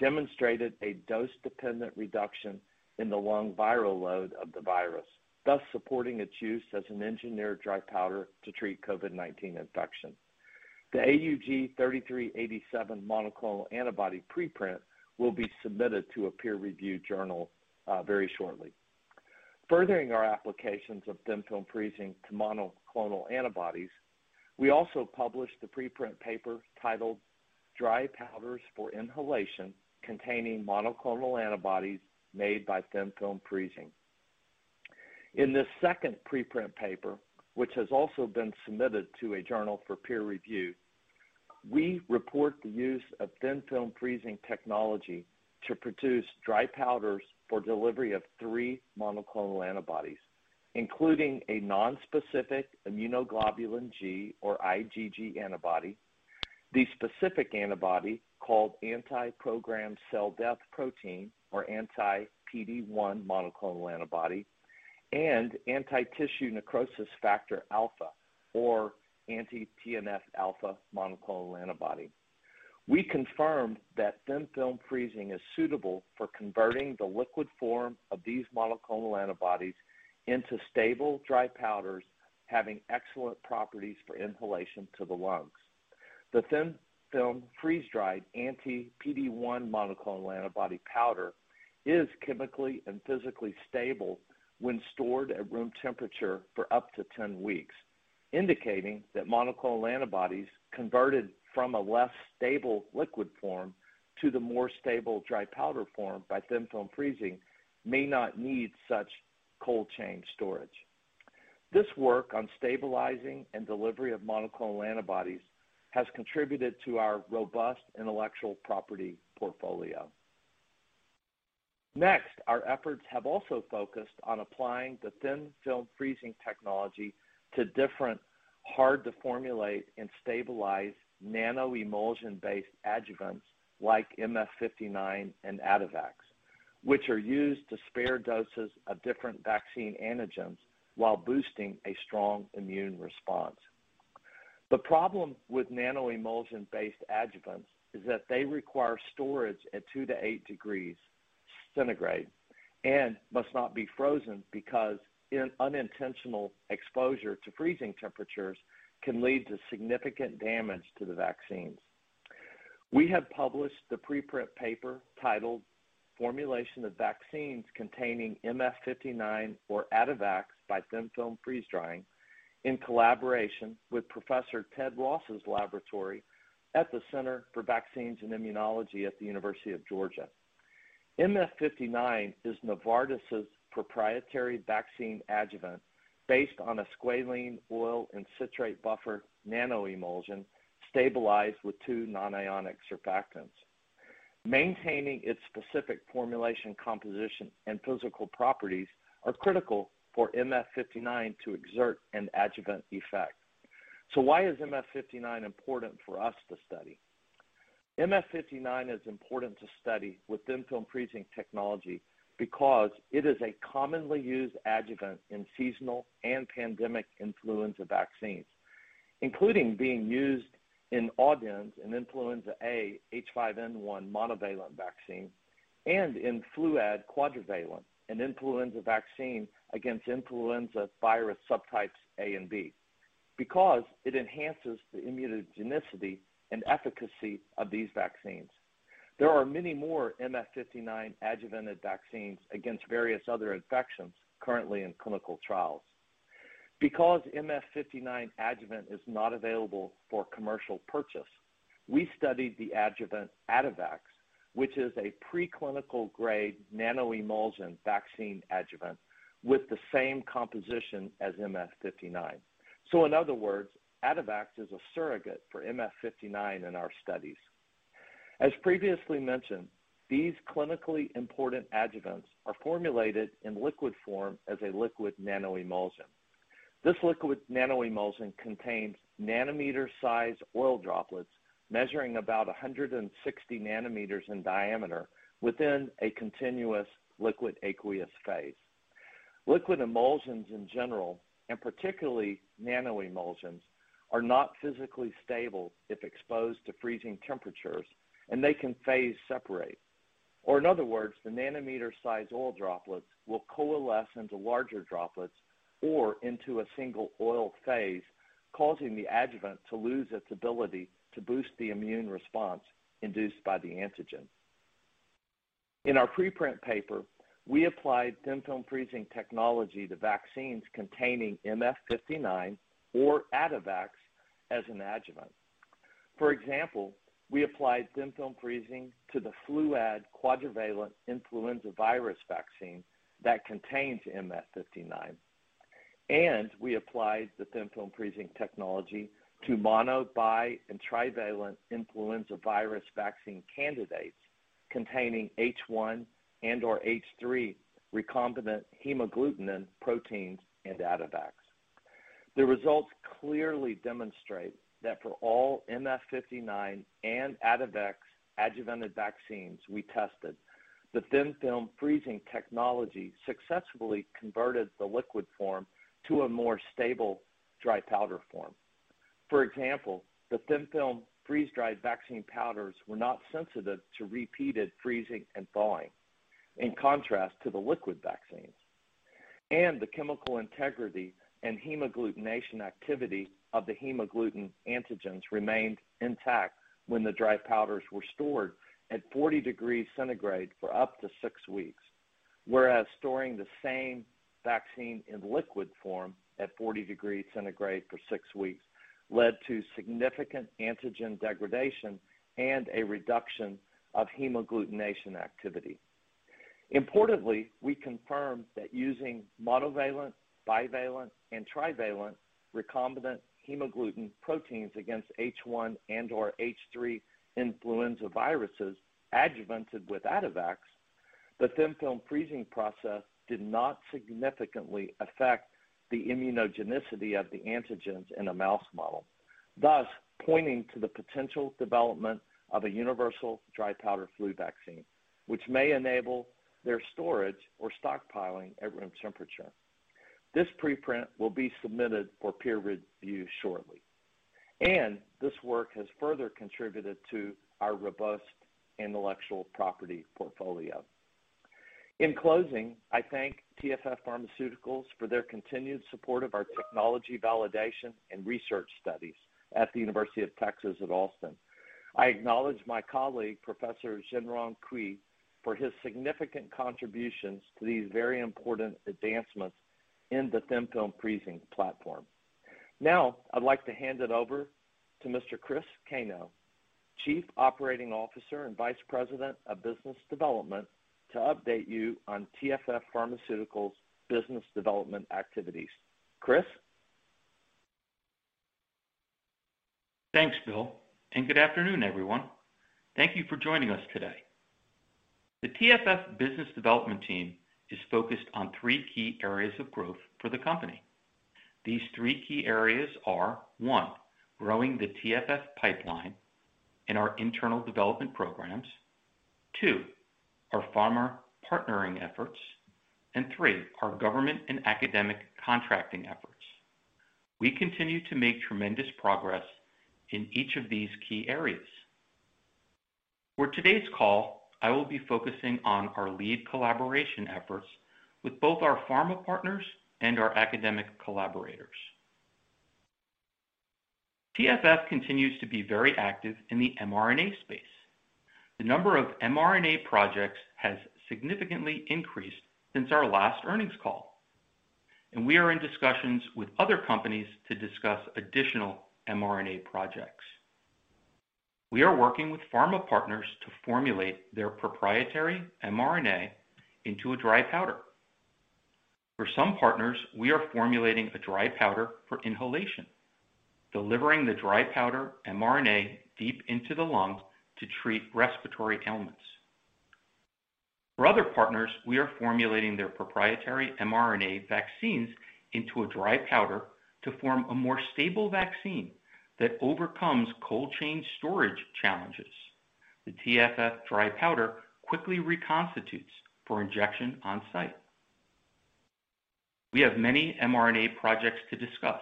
demonstrated a dose-dependent reduction in the lung viral load of the virus, thus supporting its use as an engineered dry powder to treat COVID-19 infection. The AUG-3387 monoclonal antibody preprint will be submitted to a peer-reviewed journal, very shortly. Furthering our applications of Thin Film Freezing to monoclonal antibodies, we also published the preprint paper titled Dry Powders for Inhalation Containing Monoclonal Antibodies Made by Thin Film Freezing. In this second preprint paper, which has also been submitted to a journal for peer review, we report the use of Thin Film Freezing technology to produce dry powders for delivery of three monoclonal antibodies, including a nonspecific immunoglobulin G, or IgG antibody, the specific antibody called anti-programmed cell death protein, or anti-PD-1 monoclonal antibody, and anti-tumor necrosis factor-alpha, or anti-TNF-α mAbs. We confirmed that Thin Film Freezing is suitable for converting the liquid form of these monoclonal antibodies into stable dry powders having excellent properties for inhalation to the lungs. The Thin Film Freeze-dried anti-PD-1 monoclonal antibody powder is chemically and physically stable when stored at room temperature for up to 10 weeks, indicating that monoclonal antibodies converted from a less stable liquid form to the more stable dry powder form by Thin Film Freezing may not need such cold chain storage. This work on stabilizing and delivery of monoclonal antibodies has contributed to our robust intellectual property portfolio. Next, our efforts have also focused on applying the Thin Film Freezing technology to different hard to formulate and stabilize nano-emulsion based adjuvants like MF59 and AddaVax, which are used to spare doses of different vaccine antigens while boosting a strong immune response. The problem with nano-emulsion based adjuvants is that they require storage at 2-8 degrees centigrade and must not be frozen because unintentional exposure to freezing temperatures can lead to significant damage to the vaccines. We have published the preprint paper titled Formulation of Vaccines Containing MF59 or AddaVax by Thin Film Freezing in collaboration with Professor Ted Ross's laboratory at the Center for Vaccines and Immunology at the University of Georgia. MF59 is Novartis's proprietary vaccine adjuvant based on a squalene oil and citrate buffer nano-emulsion stabilized with two non-ionic surfactants. Maintaining its specific formulation composition and physical properties are critical for MF59 to exert an adjuvant effect. Why is MF59 important for us to study? MF59 is important to study with Thin Film Freezing technology because it is a commonly used adjuvant in seasonal and pandemic influenza vaccines, including being used in Audenz, an influenza A H5N1 monovalent vaccine, and in FLUAD QUADRIVALENT, an influenza vaccine against influenza virus subtypes A and B, because it enhances the immunogenicity and efficacy of these vaccines. There are many more MF59 adjuvanted vaccines against various other infections currently in clinical trials. Because MF59 adjuvant is not available for commercial purchase, we studied the adjuvant AddaVax, which is a preclinical grade nano-emulsion vaccine adjuvant with the same composition as MF59. In other words, AddaVax is a surrogate for MF59 in our studies. As previously mentioned, these clinically important adjuvants are formulated in liquid form as a liquid nano-emulsion. This liquid nano-emulsion contains nanometer size oil droplets measuring about 160 nanometers in diameter within a continuous liquid aqueous phase. Liquid emulsions in general, and particularly nano-emulsions, are not physically stable if exposed to freezing temperatures, and they can phase separate, or in other words, the nanometer size oil droplets will coalesce into larger droplets or into a single oil phase, causing the adjuvant to lose its ability to boost the immune response induced by the antigen. In our preprint paper, we applied Thin Film Freezing technology to vaccines containing MF59 or AddaVax as an adjuvant. For example, we applied Thin Film Freezing to the FLUAD QUADRIVALENT influenza virus vaccine that contains MF59, and we applied the Thin Film Freezing technology to mono, bi, and trivalent influenza virus vaccine candidates containing H1 and/or H3 recombinant hemagglutinin proteins and AddaVax. The results clearly demonstrate that for all MF59 and AddaVax adjuvanted vaccines we tested, the Thin Film Freezing technology successfully converted the liquid form to a more stable dry powder form. For example, the Thin Film Freezing freeze-dried vaccine powders were not sensitive to repeated freezing and thawing, in contrast to the liquid vaccines. The chemical integrity and hemagglutination activity of the hemagglutinin antigens remained intact when the dry powders were stored at 40 degrees centigrade for up to six weeks. Whereas storing the same vaccine in liquid form at 40 degrees centigrade for six weeks led to significant antigen degradation and a reduction of hemagglutination activity. Importantly, we confirmed that using monovalent, bivalent, and trivalent recombinant hemagglutinin proteins against H1 and/or H3 influenza viruses adjuvanted with AddaVax, the Thin Film Freezing process did not significantly affect the immunogenicity of the antigens in a mouse model, thus pointing to the potential development of a universal dry powder flu vaccine, which may enable their storage or stockpiling at room temperature. This preprint will be submitted for peer review shortly, and this work has further contributed to our robust intellectual property portfolio. In closing, I thank TFF Pharmaceuticals for their continued support of our technology validation and research studies at The University of Texas at Austin. I acknowledge my colleague, Professor Zhengrong Cui, for his significant contributions to these very important advancements in the Thin Film Freezing platform. Now, I'd like to hand it over to Mr. Chris Cano, Chief Operating Officer and Vice President of Business Development, to update you on TFF Pharmaceuticals business development activities. Chris? Thanks, Bill, and good afternoon, everyone. Thank you for joining us today. The TFF business development team is focused on three key areas of growth for the company. These three key areas are, one, growing the TFF pipeline and our internal development programs. Two, our pharma partnering efforts. And three, our government and academic contracting efforts. We continue to make tremendous progress in each of these key areas. For today's call, I will be focusing on our lead collaboration efforts with both our pharma partners and our academic collaborators. TFF continues to be very active in the mRNA space. The number of mRNA projects has significantly increased since our last earnings call, and we are in discussions with other companies to discuss additional mRNA projects. We are working with pharma partners to formulate their proprietary mRNA into a dry powder. For some partners, we are formulating a dry powder for inhalation, delivering the dry powder mRNA deep into the lungs to treat respiratory ailments. For other partners, we are formulating their proprietary mRNA vaccines into a dry powder to form a more stable vaccine that overcomes cold chain storage challenges. The TFF dry powder quickly reconstitutes for injection on site. We have many mRNA projects to discuss.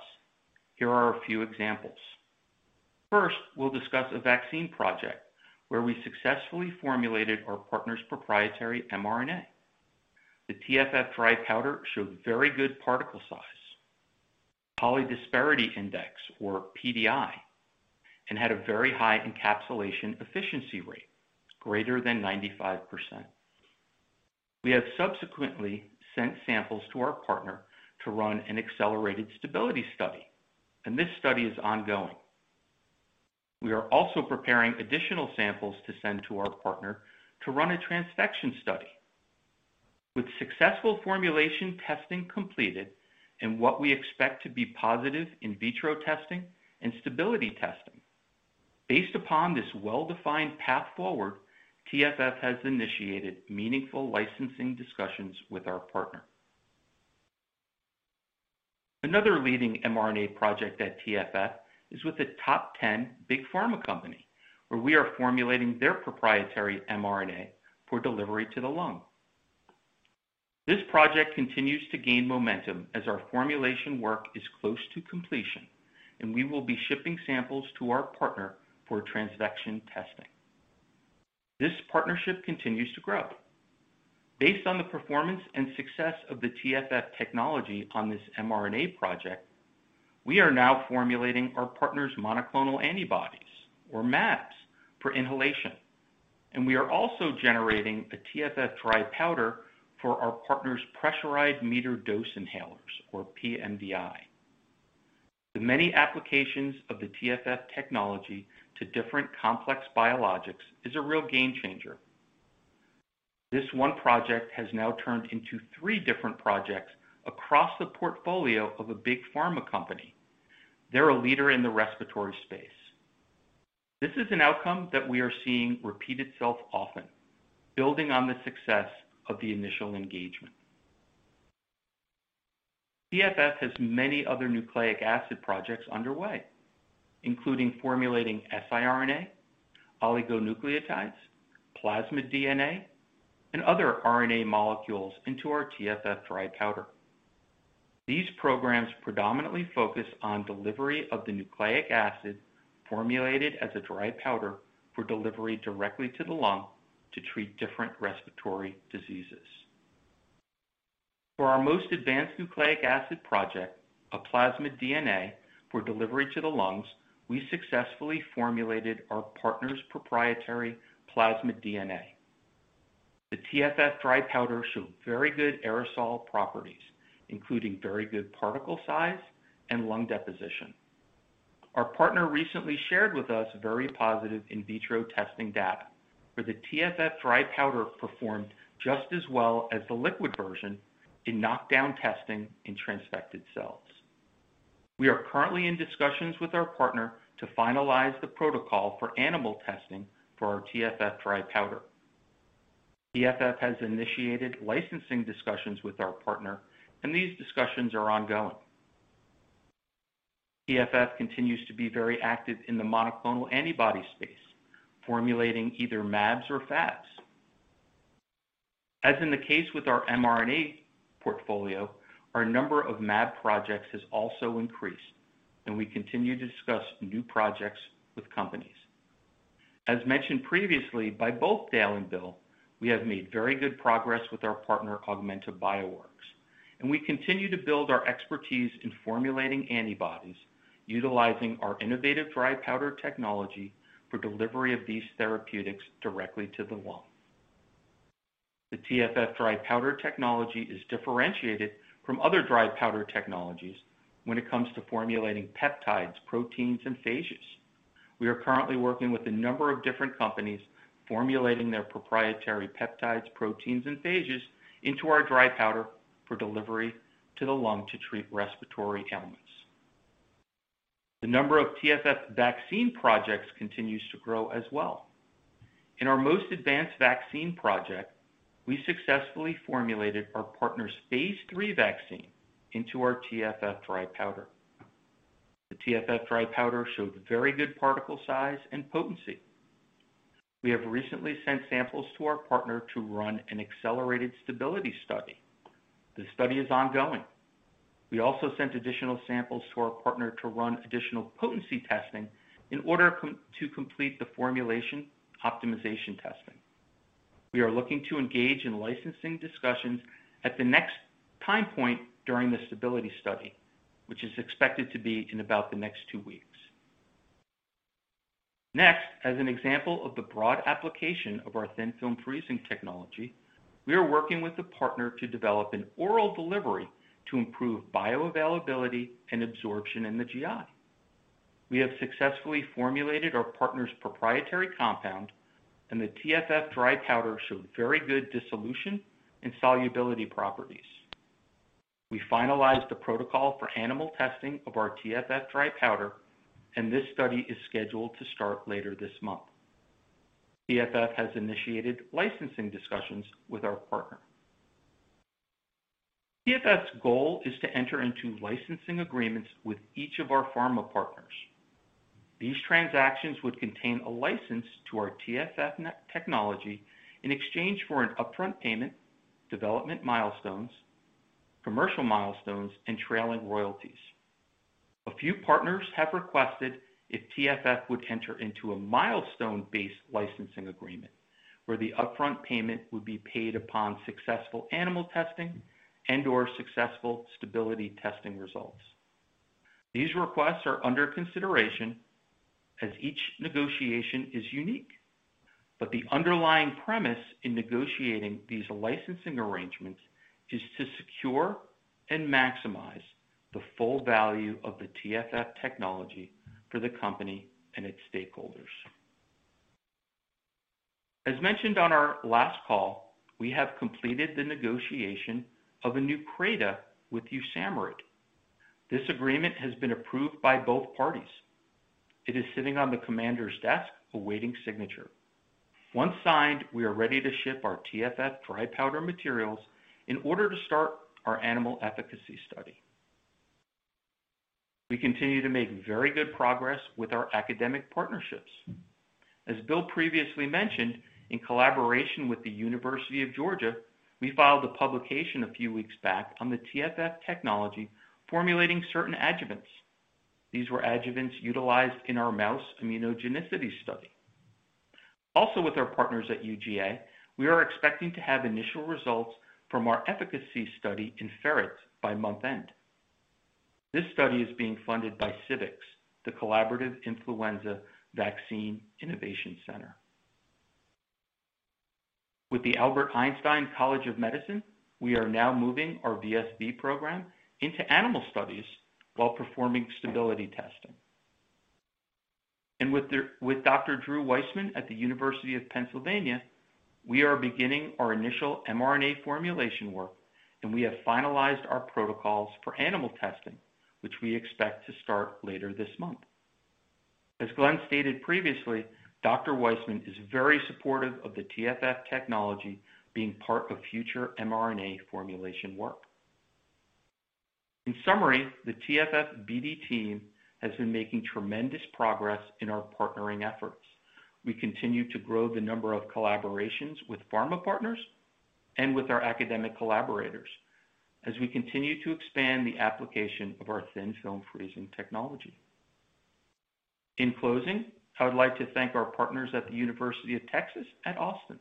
Here are a few examples. First, we'll discuss a vaccine project where we successfully formulated our partner's proprietary mRNA. The TFF dry powder showed very good particle size, polydispersity index, or PDI, and had a very high encapsulation efficiency rate, greater than 95%. We have subsequently sent samples to our partner to run an accelerated stability study, and this study is ongoing. We are also preparing additional samples to send to our partner to run a transfection study. With successful formulation testing completed and what we expect to be positive in vitro testing and stability testing, based upon this well-defined path forward, TFF has initiated meaningful licensing discussions with our partner. Another leading mRNA project at TFF is with a top ten big pharma company, where we are formulating their proprietary mRNA for delivery to the lung. This project continues to gain momentum as our formulation work is close to completion, and we will be shipping samples to our partner for transfection testing. This partnership continues to grow. Based on the performance and success of the TFF technology on this mRNA project, we are now formulating our partner's monoclonal antibodies or mAbs for inhalation, and we are also generating a TFF dry powder for our partner's pressurized metered-dose inhalers, or pMDI. The many applications of the TFF technology to different complex biologics is a real game changer. This one project has now turned into three different projects across the portfolio of a big pharma company. They're a leader in the respiratory space. This is an outcome that we are seeing repeat itself often, building on the success of the initial engagement. TFF has many other nucleic acid projects underway, including formulating siRNA, oligonucleotides, plasmid DNA, and other RNA molecules into our TFF dry powder. These programs predominantly focus on delivery of the nucleic acid formulated as a dry powder for delivery directly to the lung to treat different respiratory diseases. For our most advanced nucleic acid project, a plasmid DNA for delivery to the lungs, we successfully formulated our partner's proprietary plasmid DNA. The TFF dry powder showed very good aerosol properties, including very good particle size and lung deposition. Our partner recently shared with us very positive in vitro testing data, where the TFF dry powder performed just as well as the liquid version in knockdown testing in transfected cells. We are currently in discussions with our partner to finalize the protocol for animal testing for our TFF dry powder. TFF has initiated licensing discussions with our partner, and these discussions are ongoing. TFF continues to be very active in the monoclonal antibody space, formulating either mAbs or Fabs. As in the case with our mRNA portfolio, our number of mAb projects has also increased, and we continue to discuss new projects with companies. As mentioned previously by both Dale and Bill, we have made very good progress with our partner, Augmenta Bioworks, and we continue to build our expertise in formulating antibodies utilizing our innovative dry powder technology for delivery of these therapeutics directly to the lung. The TFF dry powder technology is differentiated from other dry powder technologies when it comes to formulating peptides, proteins, and phages. We are currently working with a number of different companies formulating their proprietary peptides, proteins, and phages into our dry powder for delivery to the lung to treat respiratory ailments. The number of TFF vaccine projects continues to grow as well. In our most advanced vaccine project, we successfully formulated our partner's phase III vaccine into our TFF dry powder. The TFF dry powder showed very good particle size and potency. We have recently sent samples to our partner to run an accelerated stability study. The study is ongoing. We also sent additional samples to our partner to run additional potency testing in order to complete the formulation optimization testing. We are looking to engage in licensing discussions at the next time point during the stability study, which is expected to be in about the next two weeks. Next, as an example of the broad application of our Thin Film Freezing technology, we are working with a partner to develop an oral delivery to improve bioavailability and absorption in the GI. We have successfully formulated our partner's proprietary compound, and the TFF dry powder showed very good dissolution and solubility properties. We finalized the protocol for animal testing of our TFF dry powder, and this study is scheduled to start later this month. TFF has initiated licensing discussions with our partner. TFF's goal is to enter into licensing agreements with each of our pharma partners. These transactions would contain a license to our Thin Film Freezing technology in exchange for an upfront payment, development milestones, commercial milestones, and trailing royalties. A few partners have requested if TFF would enter into a milestone-based licensing agreement, where the upfront payment would be paid upon successful animal testing and/or successful stability testing results. These requests are under consideration as each negotiation is unique, but the underlying premise in negotiating these licensing arrangements is to secure and maximize the full value of the TFF technology for the company and its stakeholders. As mentioned on our last call, we have completed the negotiation of a new CRADA with USAMRIID. This agreement has been approved by both parties. It is sitting on the commander's desk awaiting signature. Once signed, we are ready to ship our TFF dry powder materials in order to start our animal efficacy study. We continue to make very good progress with our academic partnerships. As Bill previously mentioned, in collaboration with the University of Georgia, we filed a publication a few weeks back on the TFF technology formulating certain adjuvants. These were adjuvants utilized in our mouse immunogenicity study. Also, with our partners at UGA, we are expecting to have initial results from our efficacy study in ferrets by month-end. This study is being funded by CIVICs, the Collaborative Influenza Vaccine Innovation Centers. With the Albert Einstein College of Medicine, we are now moving our VSV program into animal studies while performing stability testing. With Dr. Drew Weissman at the University of Pennsylvania, we are beginning our initial mRNA formulation work, and we have finalized our protocols for animal testing, which we expect to start later this month. As Glenn stated previously, Dr. Weissman is very supportive of the TFF technology being part of future mRNA formulation work. In summary, the TFF BD team has been making tremendous progress in our partnering efforts. We continue to grow the number of collaborations with pharma partners and with our academic collaborators as we continue to expand the application of our Thin Film Freezing technology. In closing, I would like to thank our partners at the University of Texas at Austin.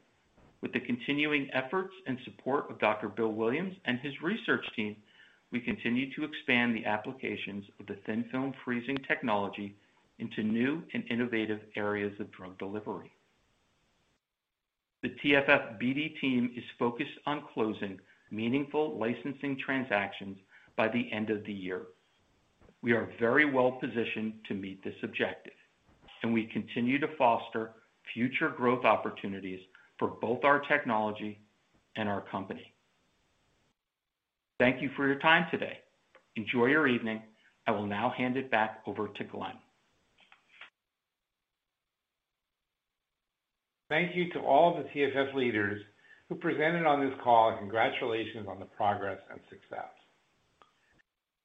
With the continuing efforts and support of Dr. Bill Williams and his research team, we continue to expand the applications of the Thin Film Freezing technology into new and innovative areas of drug delivery. The TFF BD team is focused on closing meaningful licensing transactions by the end of the year. We are very well positioned to meet this objective, and we continue to foster future growth opportunities for both our technology and our company. Thank you for your time today. Enjoy your evening. I will now hand it back over to Glenn. Thank you to all the TFF leaders who presented on this call, and congratulations on the progress and success.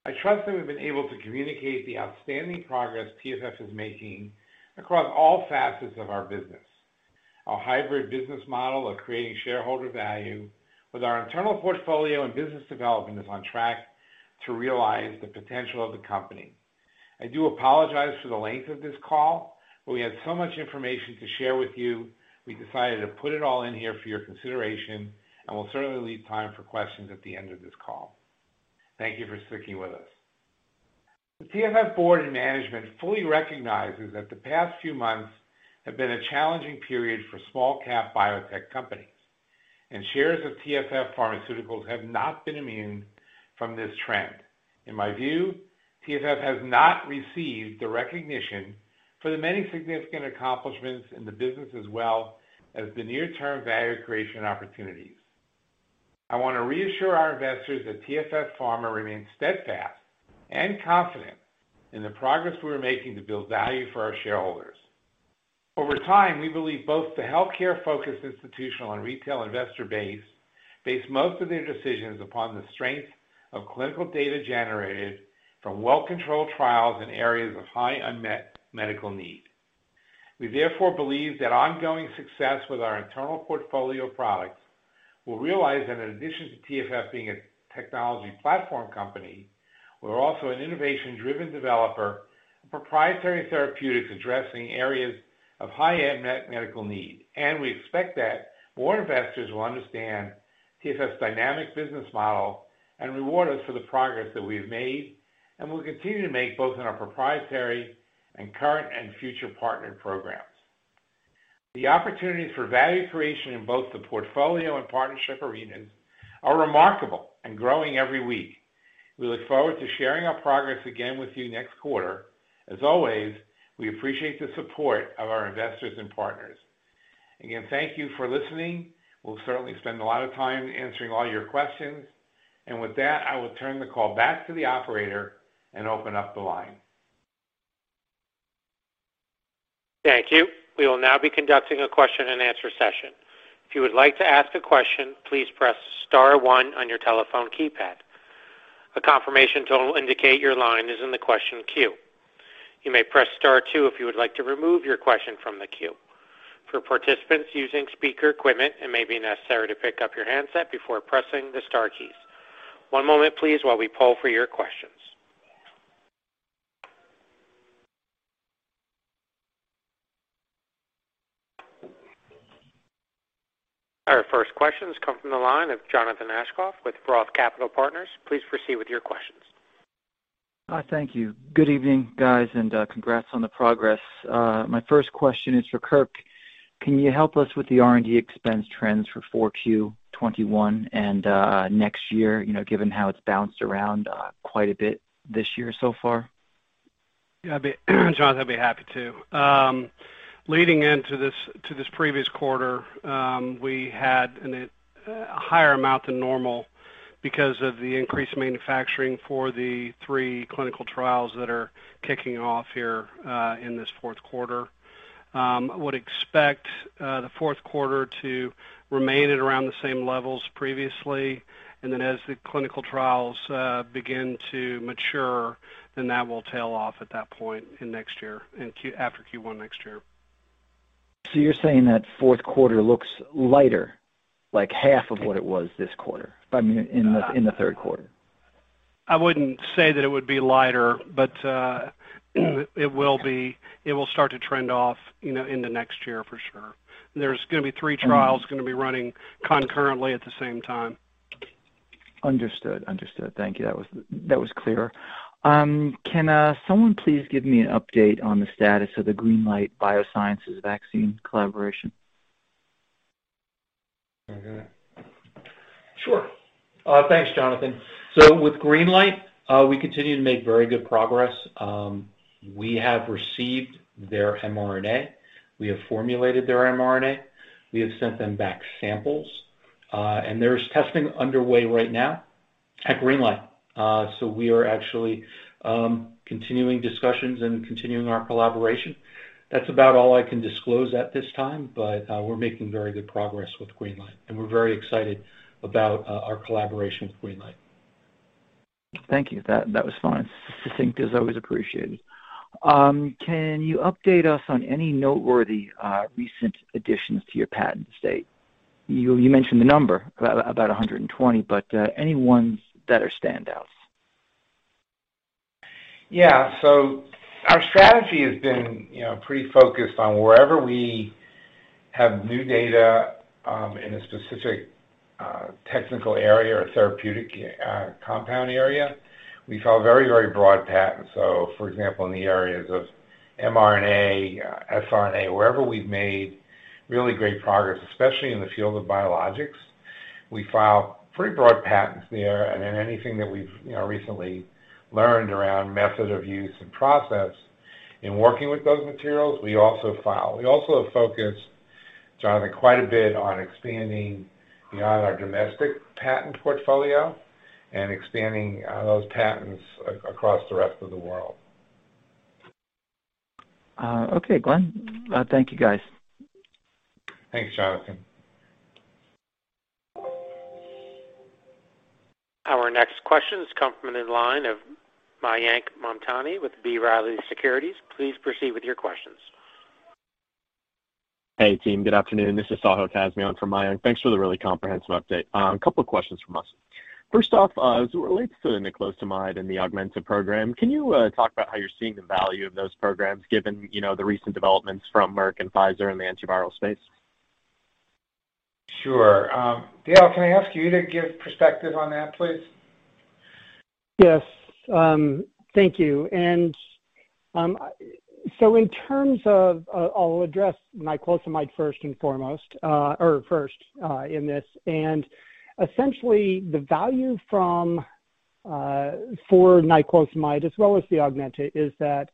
I trust that we've been able to communicate the outstanding progress TFF is making across all facets of our business. Our hybrid business model of creating shareholder value with our internal portfolio and business development is on track to realize the potential of the company. I do apologize for the length of this call, but we had so much information to share with you. We decided to put it all in here for your consideration, and we'll certainly leave time for questions at the end of this call. Thank you for sticking with us. The TFF board and management fully recognizes that the past few months have been a challenging period for small cap biotech companies, and shares of TFF Pharmaceuticals have not been immune from this trend. In my view, TFF has not received the recognition for the many significant accomplishments in the business, as well as the near-term value creation opportunities. I want to reassure our investors that TFF Pharma remains steadfast and confident in the progress we are making to build value for our shareholders. Over time, we believe both the healthcare focused institutional and retail investor base most of their decisions upon the strength of clinical data generated from well-controlled trials in areas of high unmet medical need. We therefore believe that ongoing success with our internal portfolio of products will realize that in addition to TFF being a technology platform company, we're also an innovation-driven developer of proprietary therapeutics addressing areas of high unmet medical need. We expect that more investors will understand TFF's dynamic business model and reward us for the progress that we have made and will continue to make both in our proprietary and current and future partnered programs. The opportunities for value creation in both the portfolio and partnership arenas are remarkable and growing every week. We look forward to sharing our progress again with you next quarter. As always, we appreciate the support of our investors and partners. Again, thank you for listening. We'll certainly spend a lot of time answering all your questions. With that, I will turn the call back to the operator and open up the line. Thank you. We will now be conducting a question-and-answer session. If you would like to ask a question, please press star one on your telephone keypad. A confirmation tone will indicate your line is in the question queue. You may press star two if you would like to remove your question from the queue. For participants using speaker equipment, it may be necessary to pick up your handset before pressing the star keys. One moment, please, while we poll for your questions. Our first questions come from the line of Jonathan Aschoff with Roth Capital Partners. Please proceed with your questions. Thank you. Good evening, guys, and congrats on the progress. My first question is for Kirk. Can you help us with the R&D expense trends for 4Q 2021 and next year, you know, given how it's bounced around quite a bit this year so far? Jonathan, I'd be happy to. Leading into this previous quarter, we had a higher amount than normal because of the increased manufacturing for the three clinical trials that are kicking off here in this Q4. We would expect the Q4 to remain at around the same levels previously, and then as the clinical trials begin to mature, then that will tail off at that point in next year after Q1 next year. You're saying that Q4 looks lighter, like half of what it was this quarter? I mean, in the Q3. I wouldn't say that it would be lighter, but it will be. It will start to trend off, you know, into next year for sure. There's going to be three trials going to be running concurrently at the same time. Understood. Thank you. That was clear. Can someone please give me an update on the status of the GreenLight Biosciences vaccine collaboration? Sure. Thanks, Jonathan. With GreenLight, we continue to make very good progress. We have received their mRNA. We have formulated their mRNA. We have sent them back samples, and there's testing underway right now at GreenLight. We are actually continuing discussions and continuing our collaboration. That's about all I can disclose at this time, but we're making very good progress with GreenLight, and we're very excited about our collaboration with GreenLight. Thank you. That was fine. Succinctness is always appreciated. Can you update us on any noteworthy recent additions to your patent estate? You mentioned the number, about 120, but anyones that are standouts? Yeah. Our strategy has been, you know, pretty focused on wherever we have new data in a specific technical area or therapeutic compound area. We file very, very broad patents. For example, in the areas of mRNA, siRNA, wherever we've made really great progress, especially in the field of biologics, we file pretty broad patents there. Then anything that we've, you know, recently learned around method of use and process in working with those materials, we also file. We also have focused, Jonathan, quite a bit on expanding beyond our domestic patent portfolio and expanding those patents across the rest of the world. Okay, Glenn. Thank you, guys. Thanks, Jonathan. This comes from the line of Mayank Mamtani with B. Riley Securities. Please proceed with your questions. Hey, team. Good afternoon. This is Sahil Kazmi on for Mayank. Thanks for the really comprehensive update. A couple of questions from us. First off, as it relates to the niclosamide and the Augmenta program, can you talk about how you're seeing the value of those programs, given, you know, the recent developments from Merck and Pfizer in the antiviral space? Sure. Dale, can I ask you to give perspective on that, please? Yes. Thank you. In terms of, I'll address niclosamide first and foremost in this. Essentially the value for niclosamide as well as the Augmenta is that,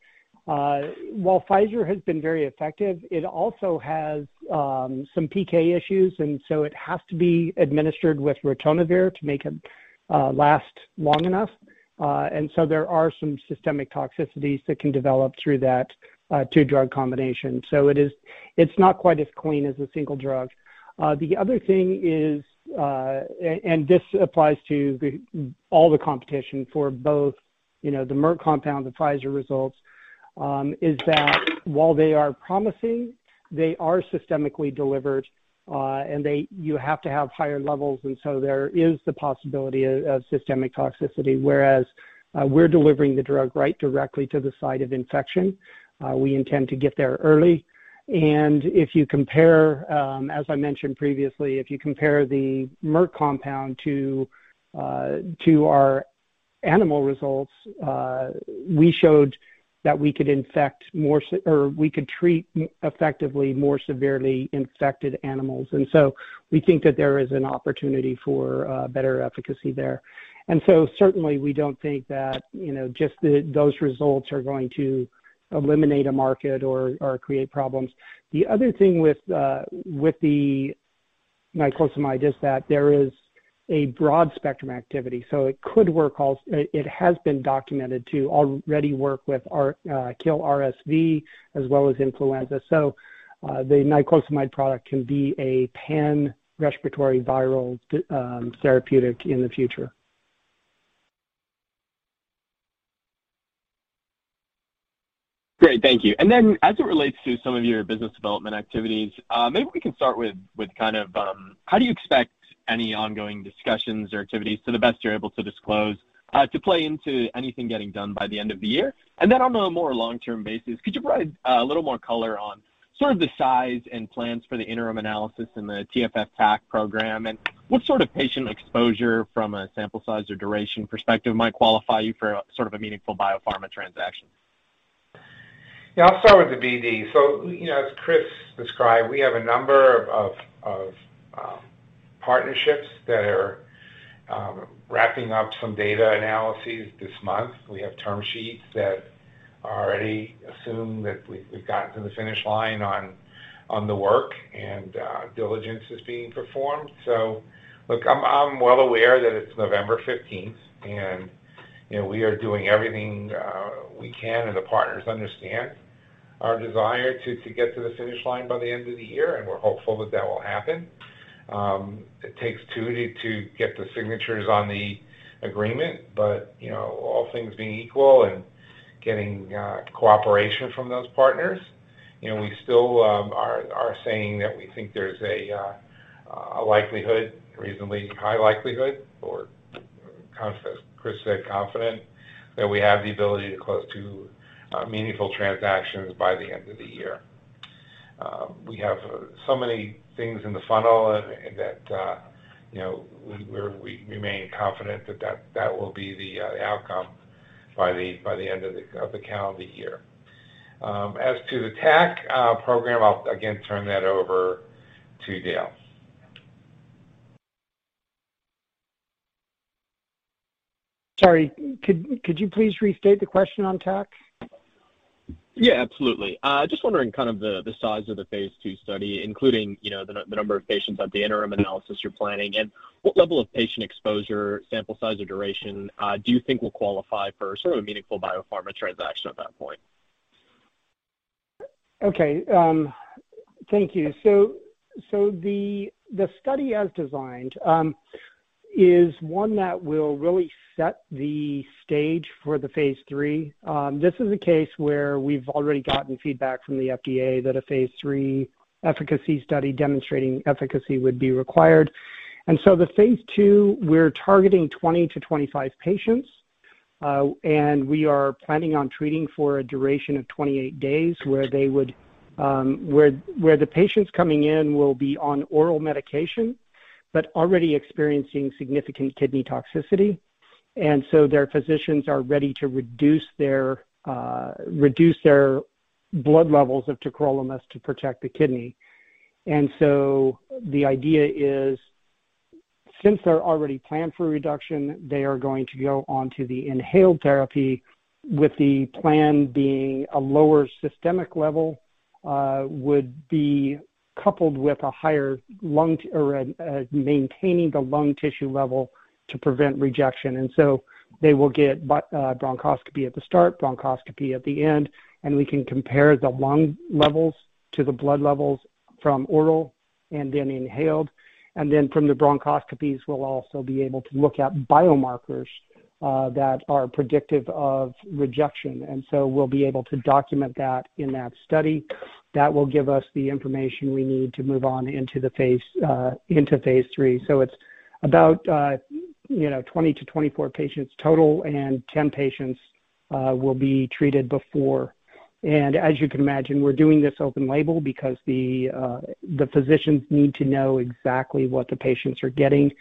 while Pfizer has been very effective, it also has some PK issues, and so it has to be administered with ritonavir to make it last long enough. There are some systemic toxicities that can develop through that two-drug combination. It is not quite as clean as a single drug. The other thing is, this applies to all the competition for both, you know, the Merck compound, the Pfizer results, is that while they are promising, they are systemically delivered, and you have to have higher levels and so there is the possibility of systemic toxicity, whereas we're delivering the drug right directly to the site of infection. We intend to get there early. If you compare, as I mentioned previously, if you compare the Merck compound to our animal results, we showed that we could treat effectively more severely infected animals. We think that there is an opportunity for better efficacy there. Certainly, we don't think that, you know, just those results are going to eliminate a market or create problems. The other thing with the niclosamide is that there is a broad-spectrum activity, so it could work. It has been documented to already kill RSV as well as influenza. The niclosamide product can be a pan respiratory viral therapeutic in the future. Great. Thank you. As it relates to some of your business development activities, maybe we can start with kind of how do you expect any ongoing discussions or activities to the best you're able to disclose to play into anything getting done by the end of the year? On a more long-term basis, could you provide a little more color on sort of the size and plans for the interim analysis and the TFF TAC program? What sort of patient exposure from a sample size or duration perspective might qualify you for sort of a meaningful biopharma transaction? Yeah, I'll start with the BD. You know, as Chris described, we have a number of partnerships that are wrapping up some data analyses this month. We have term sheets that already assume that we've gotten to the finish line on the work and diligence is being performed. Look, I'm well aware that it's November fifteenth and, you know, we are doing everything we can and the partners understand our desire to get to the finish line by the end of the year, and we're hopeful that that will happen. It takes two to get the signatures on the agreement, but you know, all things being equal and getting cooperation from those partners, you know, we still are saying that we think there's a likelihood, reasonably high likelihood or as Chris said, confident that we have the ability to close two meaningful transactions by the end of the year. We have so many things in the funnel and that you know, we remain confident that that will be the outcome by the end of the calendar year. As to the TAC program, I'll again turn that over to Dale. Sorry. Could you please restate the question on TAC? Yeah, absolutely. Just wondering kind of the size of the phase II study, including, you know, the number of patients at the interim analysis you're planning, and what level of patient exposure, sample size or duration, do you think will qualify for sort of a meaningful biopharma transaction at that point? Okay. Thank you. The study as designed is one that will really set the stage for the phase III. This is a case where we've already gotten feedback from the FDA that a phase III efficacy study demonstrating efficacy would be required. The phase II, we're targeting 20-25 patients, and we are planning on treating for a duration of 28 days where the patients coming in will be on oral medication but already experiencing significant kidney toxicity. Their physicians are ready to reduce their blood levels of tacrolimus to protect the kidney. The idea is, since they're already planned for a reduction, they are going to go on to the inhaled therapy with the plan being a lower systemic level would be coupled with maintaining the lung tissue level to prevent rejection. They will get bronchoscopy at the start, bronchoscopy at the end, and we can compare the lung levels to the blood levels from oral and then inhaled. From the bronchoscopies, we'll also be able to look at biomarkers that are predictive of rejection. We'll be able to document that in that study. That will give us the information we need to move on into the phase, into phase III. It's about, you know, 20-24 patients total, and 10 patients will be treated before. As you can imagine, we're doing this open label because the physicians need to know exactly what the patients are getting,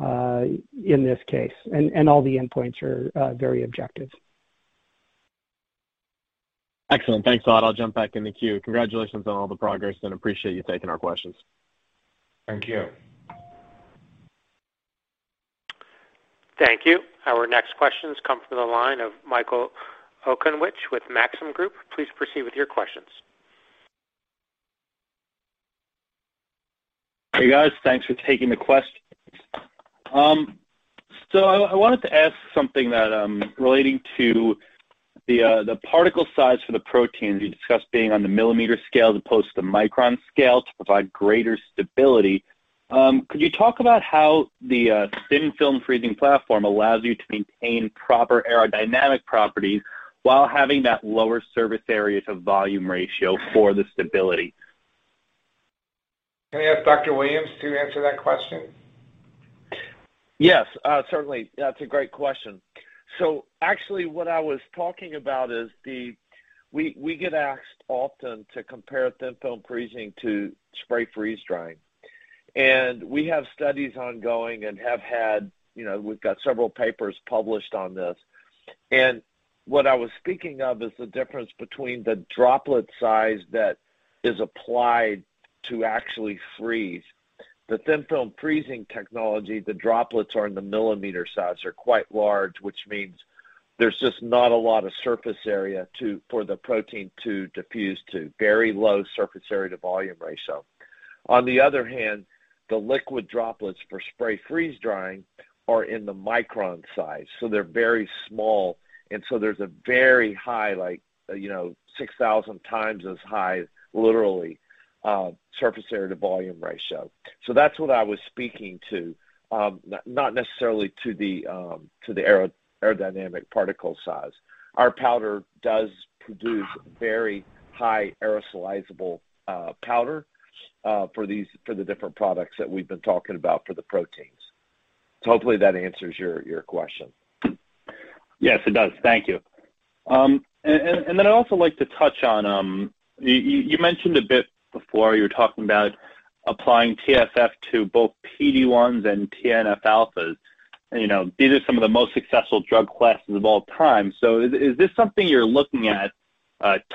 in this case, and all the endpoints are very objective. Excellent. Thanks a lot. I'll jump back in the queue. Congratulations on all the progress, and appreciate you taking our questions. Thank you. Thank you. Our next questions come from the line of Michael Okunewitch with Maxim Group. Please proceed with your questions. Hey, guys. Thanks for taking the questions. I wanted to ask something relating to the particle size for the protein you discussed being on the millimeter scale as opposed to the micron scale to provide greater stability. Could you talk about how the Thin Film Freezing platform allows you to maintain proper aerodynamic properties while having that lower surface area to volume ratio for the stability? Can I ask Dr. Williams to answer that question? Yes, certainly. That's a great question. Actually, what I was talking about is we get asked often to compare Thin Film Freezing to spray-freeze-drying. We have studies ongoing and have had, you know, we've got several papers published on this. What I was speaking of is the difference between the droplet size that is applied to actually freeze. The Thin Film Freezing technology, the droplets are in the millimeter size. They're quite large, which means there's just not a lot of surface area for the protein to diffuse to, very low surface area to volume ratio. On the other hand, the liquid droplets for spray-freeze-drying are in the micron size, so they're very small, and so there's a very high, like, you know, 6,000x as high, literally, surface area to volume ratio. That's what I was speaking to, not necessarily to the aerodynamic particle size. Our powder does produce very high aerosolizable powder for the different products that we've been talking about for the proteins. Hopefully that answers your question. Yes, it does. Thank you. I'd also like to touch on you mentioned a bit before you were talking about applying TFF to both PD-1 and TNF-α. You know, these are some of the most successful drug classes of all time. Is this something you're looking at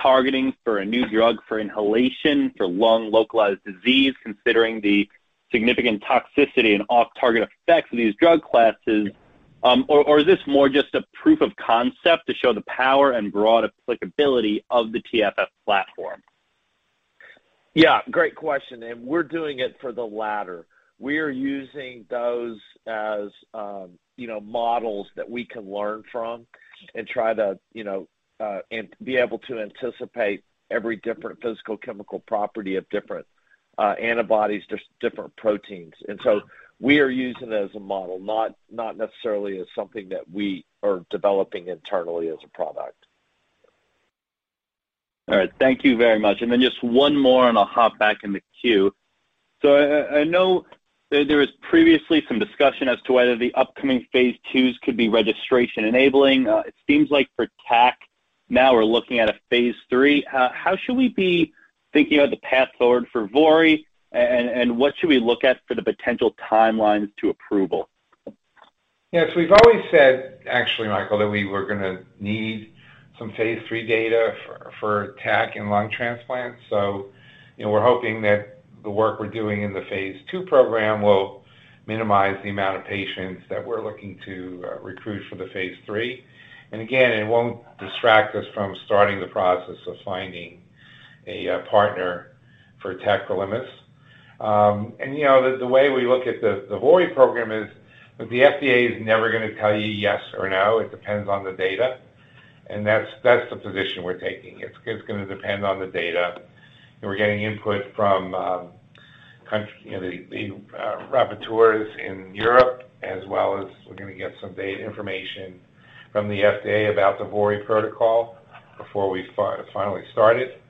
targeting for a new drug for inhalation for lung localized disease, considering the significant toxicity and off-target effects of these drug classes, or is this more just a proof of concept to show the power and broad applicability of the TFF platform? Yeah, great question. We're doing it for the latter. We are using those as, you know, models that we can learn from and try to, you know, be able to anticipate every different physical, chemical property of different, antibodies, just different proteins. We are using it as a model, not necessarily as something that we are developing internally as a product. All right. Thank you very much. Then just one more, and I'll hop back in the queue. I know there was previously some discussion as to whether the upcoming phase II could be registration-enabling. It seems like for TAC, now we're looking at a phase III. How should we be thinking about the path forward for VORI, and what should we look at for the potential timelines to approval? Yes. We've always said, actually, Michael, that we were going to need some phase III data for TAC and lung transplant. You know, we're hoping that the work we're doing in the phase II program will minimize the amount of patients that we're looking to recruit for the phase III. It won't distract us from starting the process of finding a partner for tacrolimus. You know, the way we look at the Vori program is the FDA is never going to tell you yes or no. It depends on the data, and that's the position we're taking. It's going to depend on the data. We're getting input from country, you know, the rapporteurs in Europe, as well as we're going to get some data information from the FDA about the Vori protocol before we finally start it.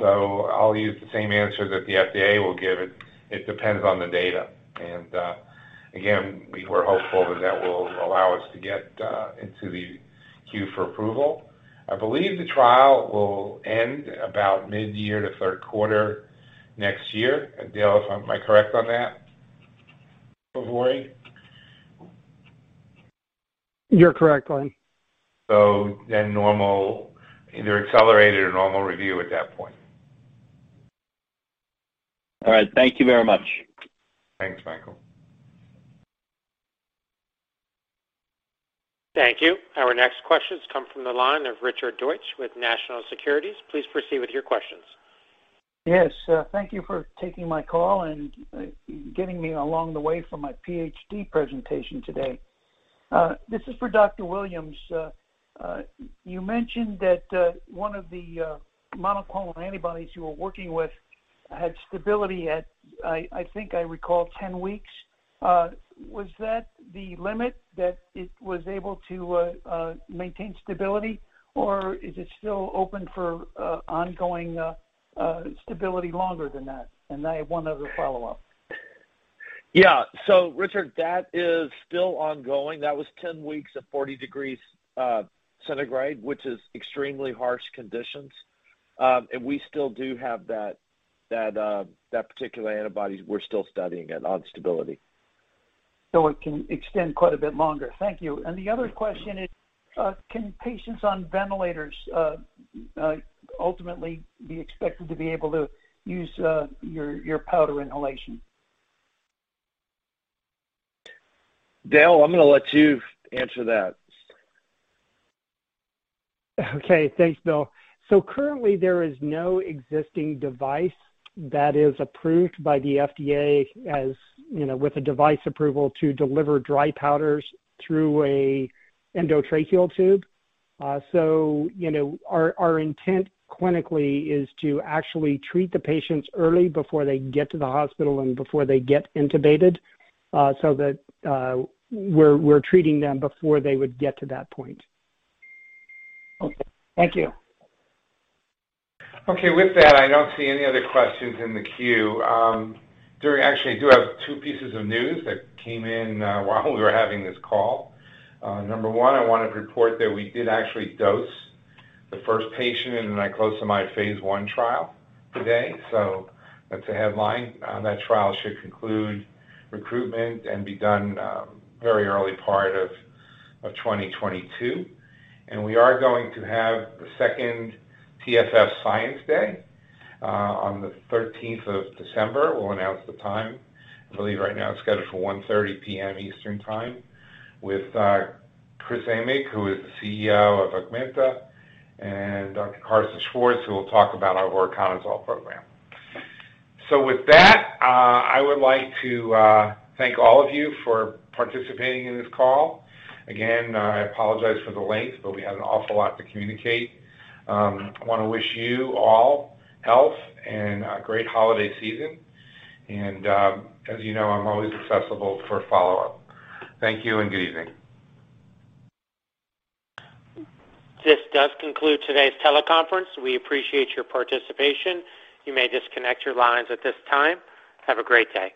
I'll use the same answer that the FDA will give it. It depends on the data. Again, we're hopeful that that will allow us to get into the queue for approval. I believe the trial will end about mid-year to Q3 next year. Dale, am I correct on that for VORI? You're correct, Glenn. Normal, either accelerated or normal review at that point. All right. Thank you very much. Thanks, Michael. Thank you. Our next questions come from the line of Richard Deutsch with National Securities. Please proceed with your questions. Yes. Thank you for taking my call and getting me along the way for my PhD presentation today. This is for Dr. Williams. You mentioned that one of the monoclonal antibodies you were working with had stability at, I think I recall 10 weeks. Was that the limit that it was able to maintain stability or is it still open for ongoing stability longer than that? I have one other follow-up. Yeah. Richard, that is still ongoing. That was 10 weeks at 40 degrees centigrade, which is extremely harsh conditions. We still do have that particular antibody, we're still studying it on stability. It can extend quite a bit longer. Thank you. The other question is, can patients on ventilators ultimately be expected to be able to use your powder inhalation? Dale, I'm going to let you answer that. Okay, thanks, Bill. Currently there is no existing device that is approved by the FDA as, you know, with a device approval to deliver dry powders through an endotracheal tube. You know, our intent clinically is to actually treat the patients early before they get to the hospital and before they get intubated, so that we're treating them before they would get to that point. Okay. Thank you. Okay. With that, I don't see any other questions in the queue. Actually, I do have two pieces of news that came in while we were having this call. Number one, I want to report that we did actually dose the first patient in a niclosamide phase I trial today. That's a headline. That trial should conclude recruitment and be done very early part of 2022. We are going to have the second TFF Science Day on December 13. We'll announce the time. I believe right now it's scheduled for 1:30 P.M. Eastern Time with Christopher Emig, who is the CEO of Augmenta, and Dr. Carsten Schwarz, who will talk about our voriconazole program. With that, I would like to thank all of you for participating in this call. Again, I apologize for the length, but we had an awful lot to communicate. I wanna wish you all health and a great holiday season. As you know, I'm always accessible for follow-up. Thank you and good evening. This does conclude today's teleconference. We appreciate your participation. You may disconnect your lines at this time. Have a great day.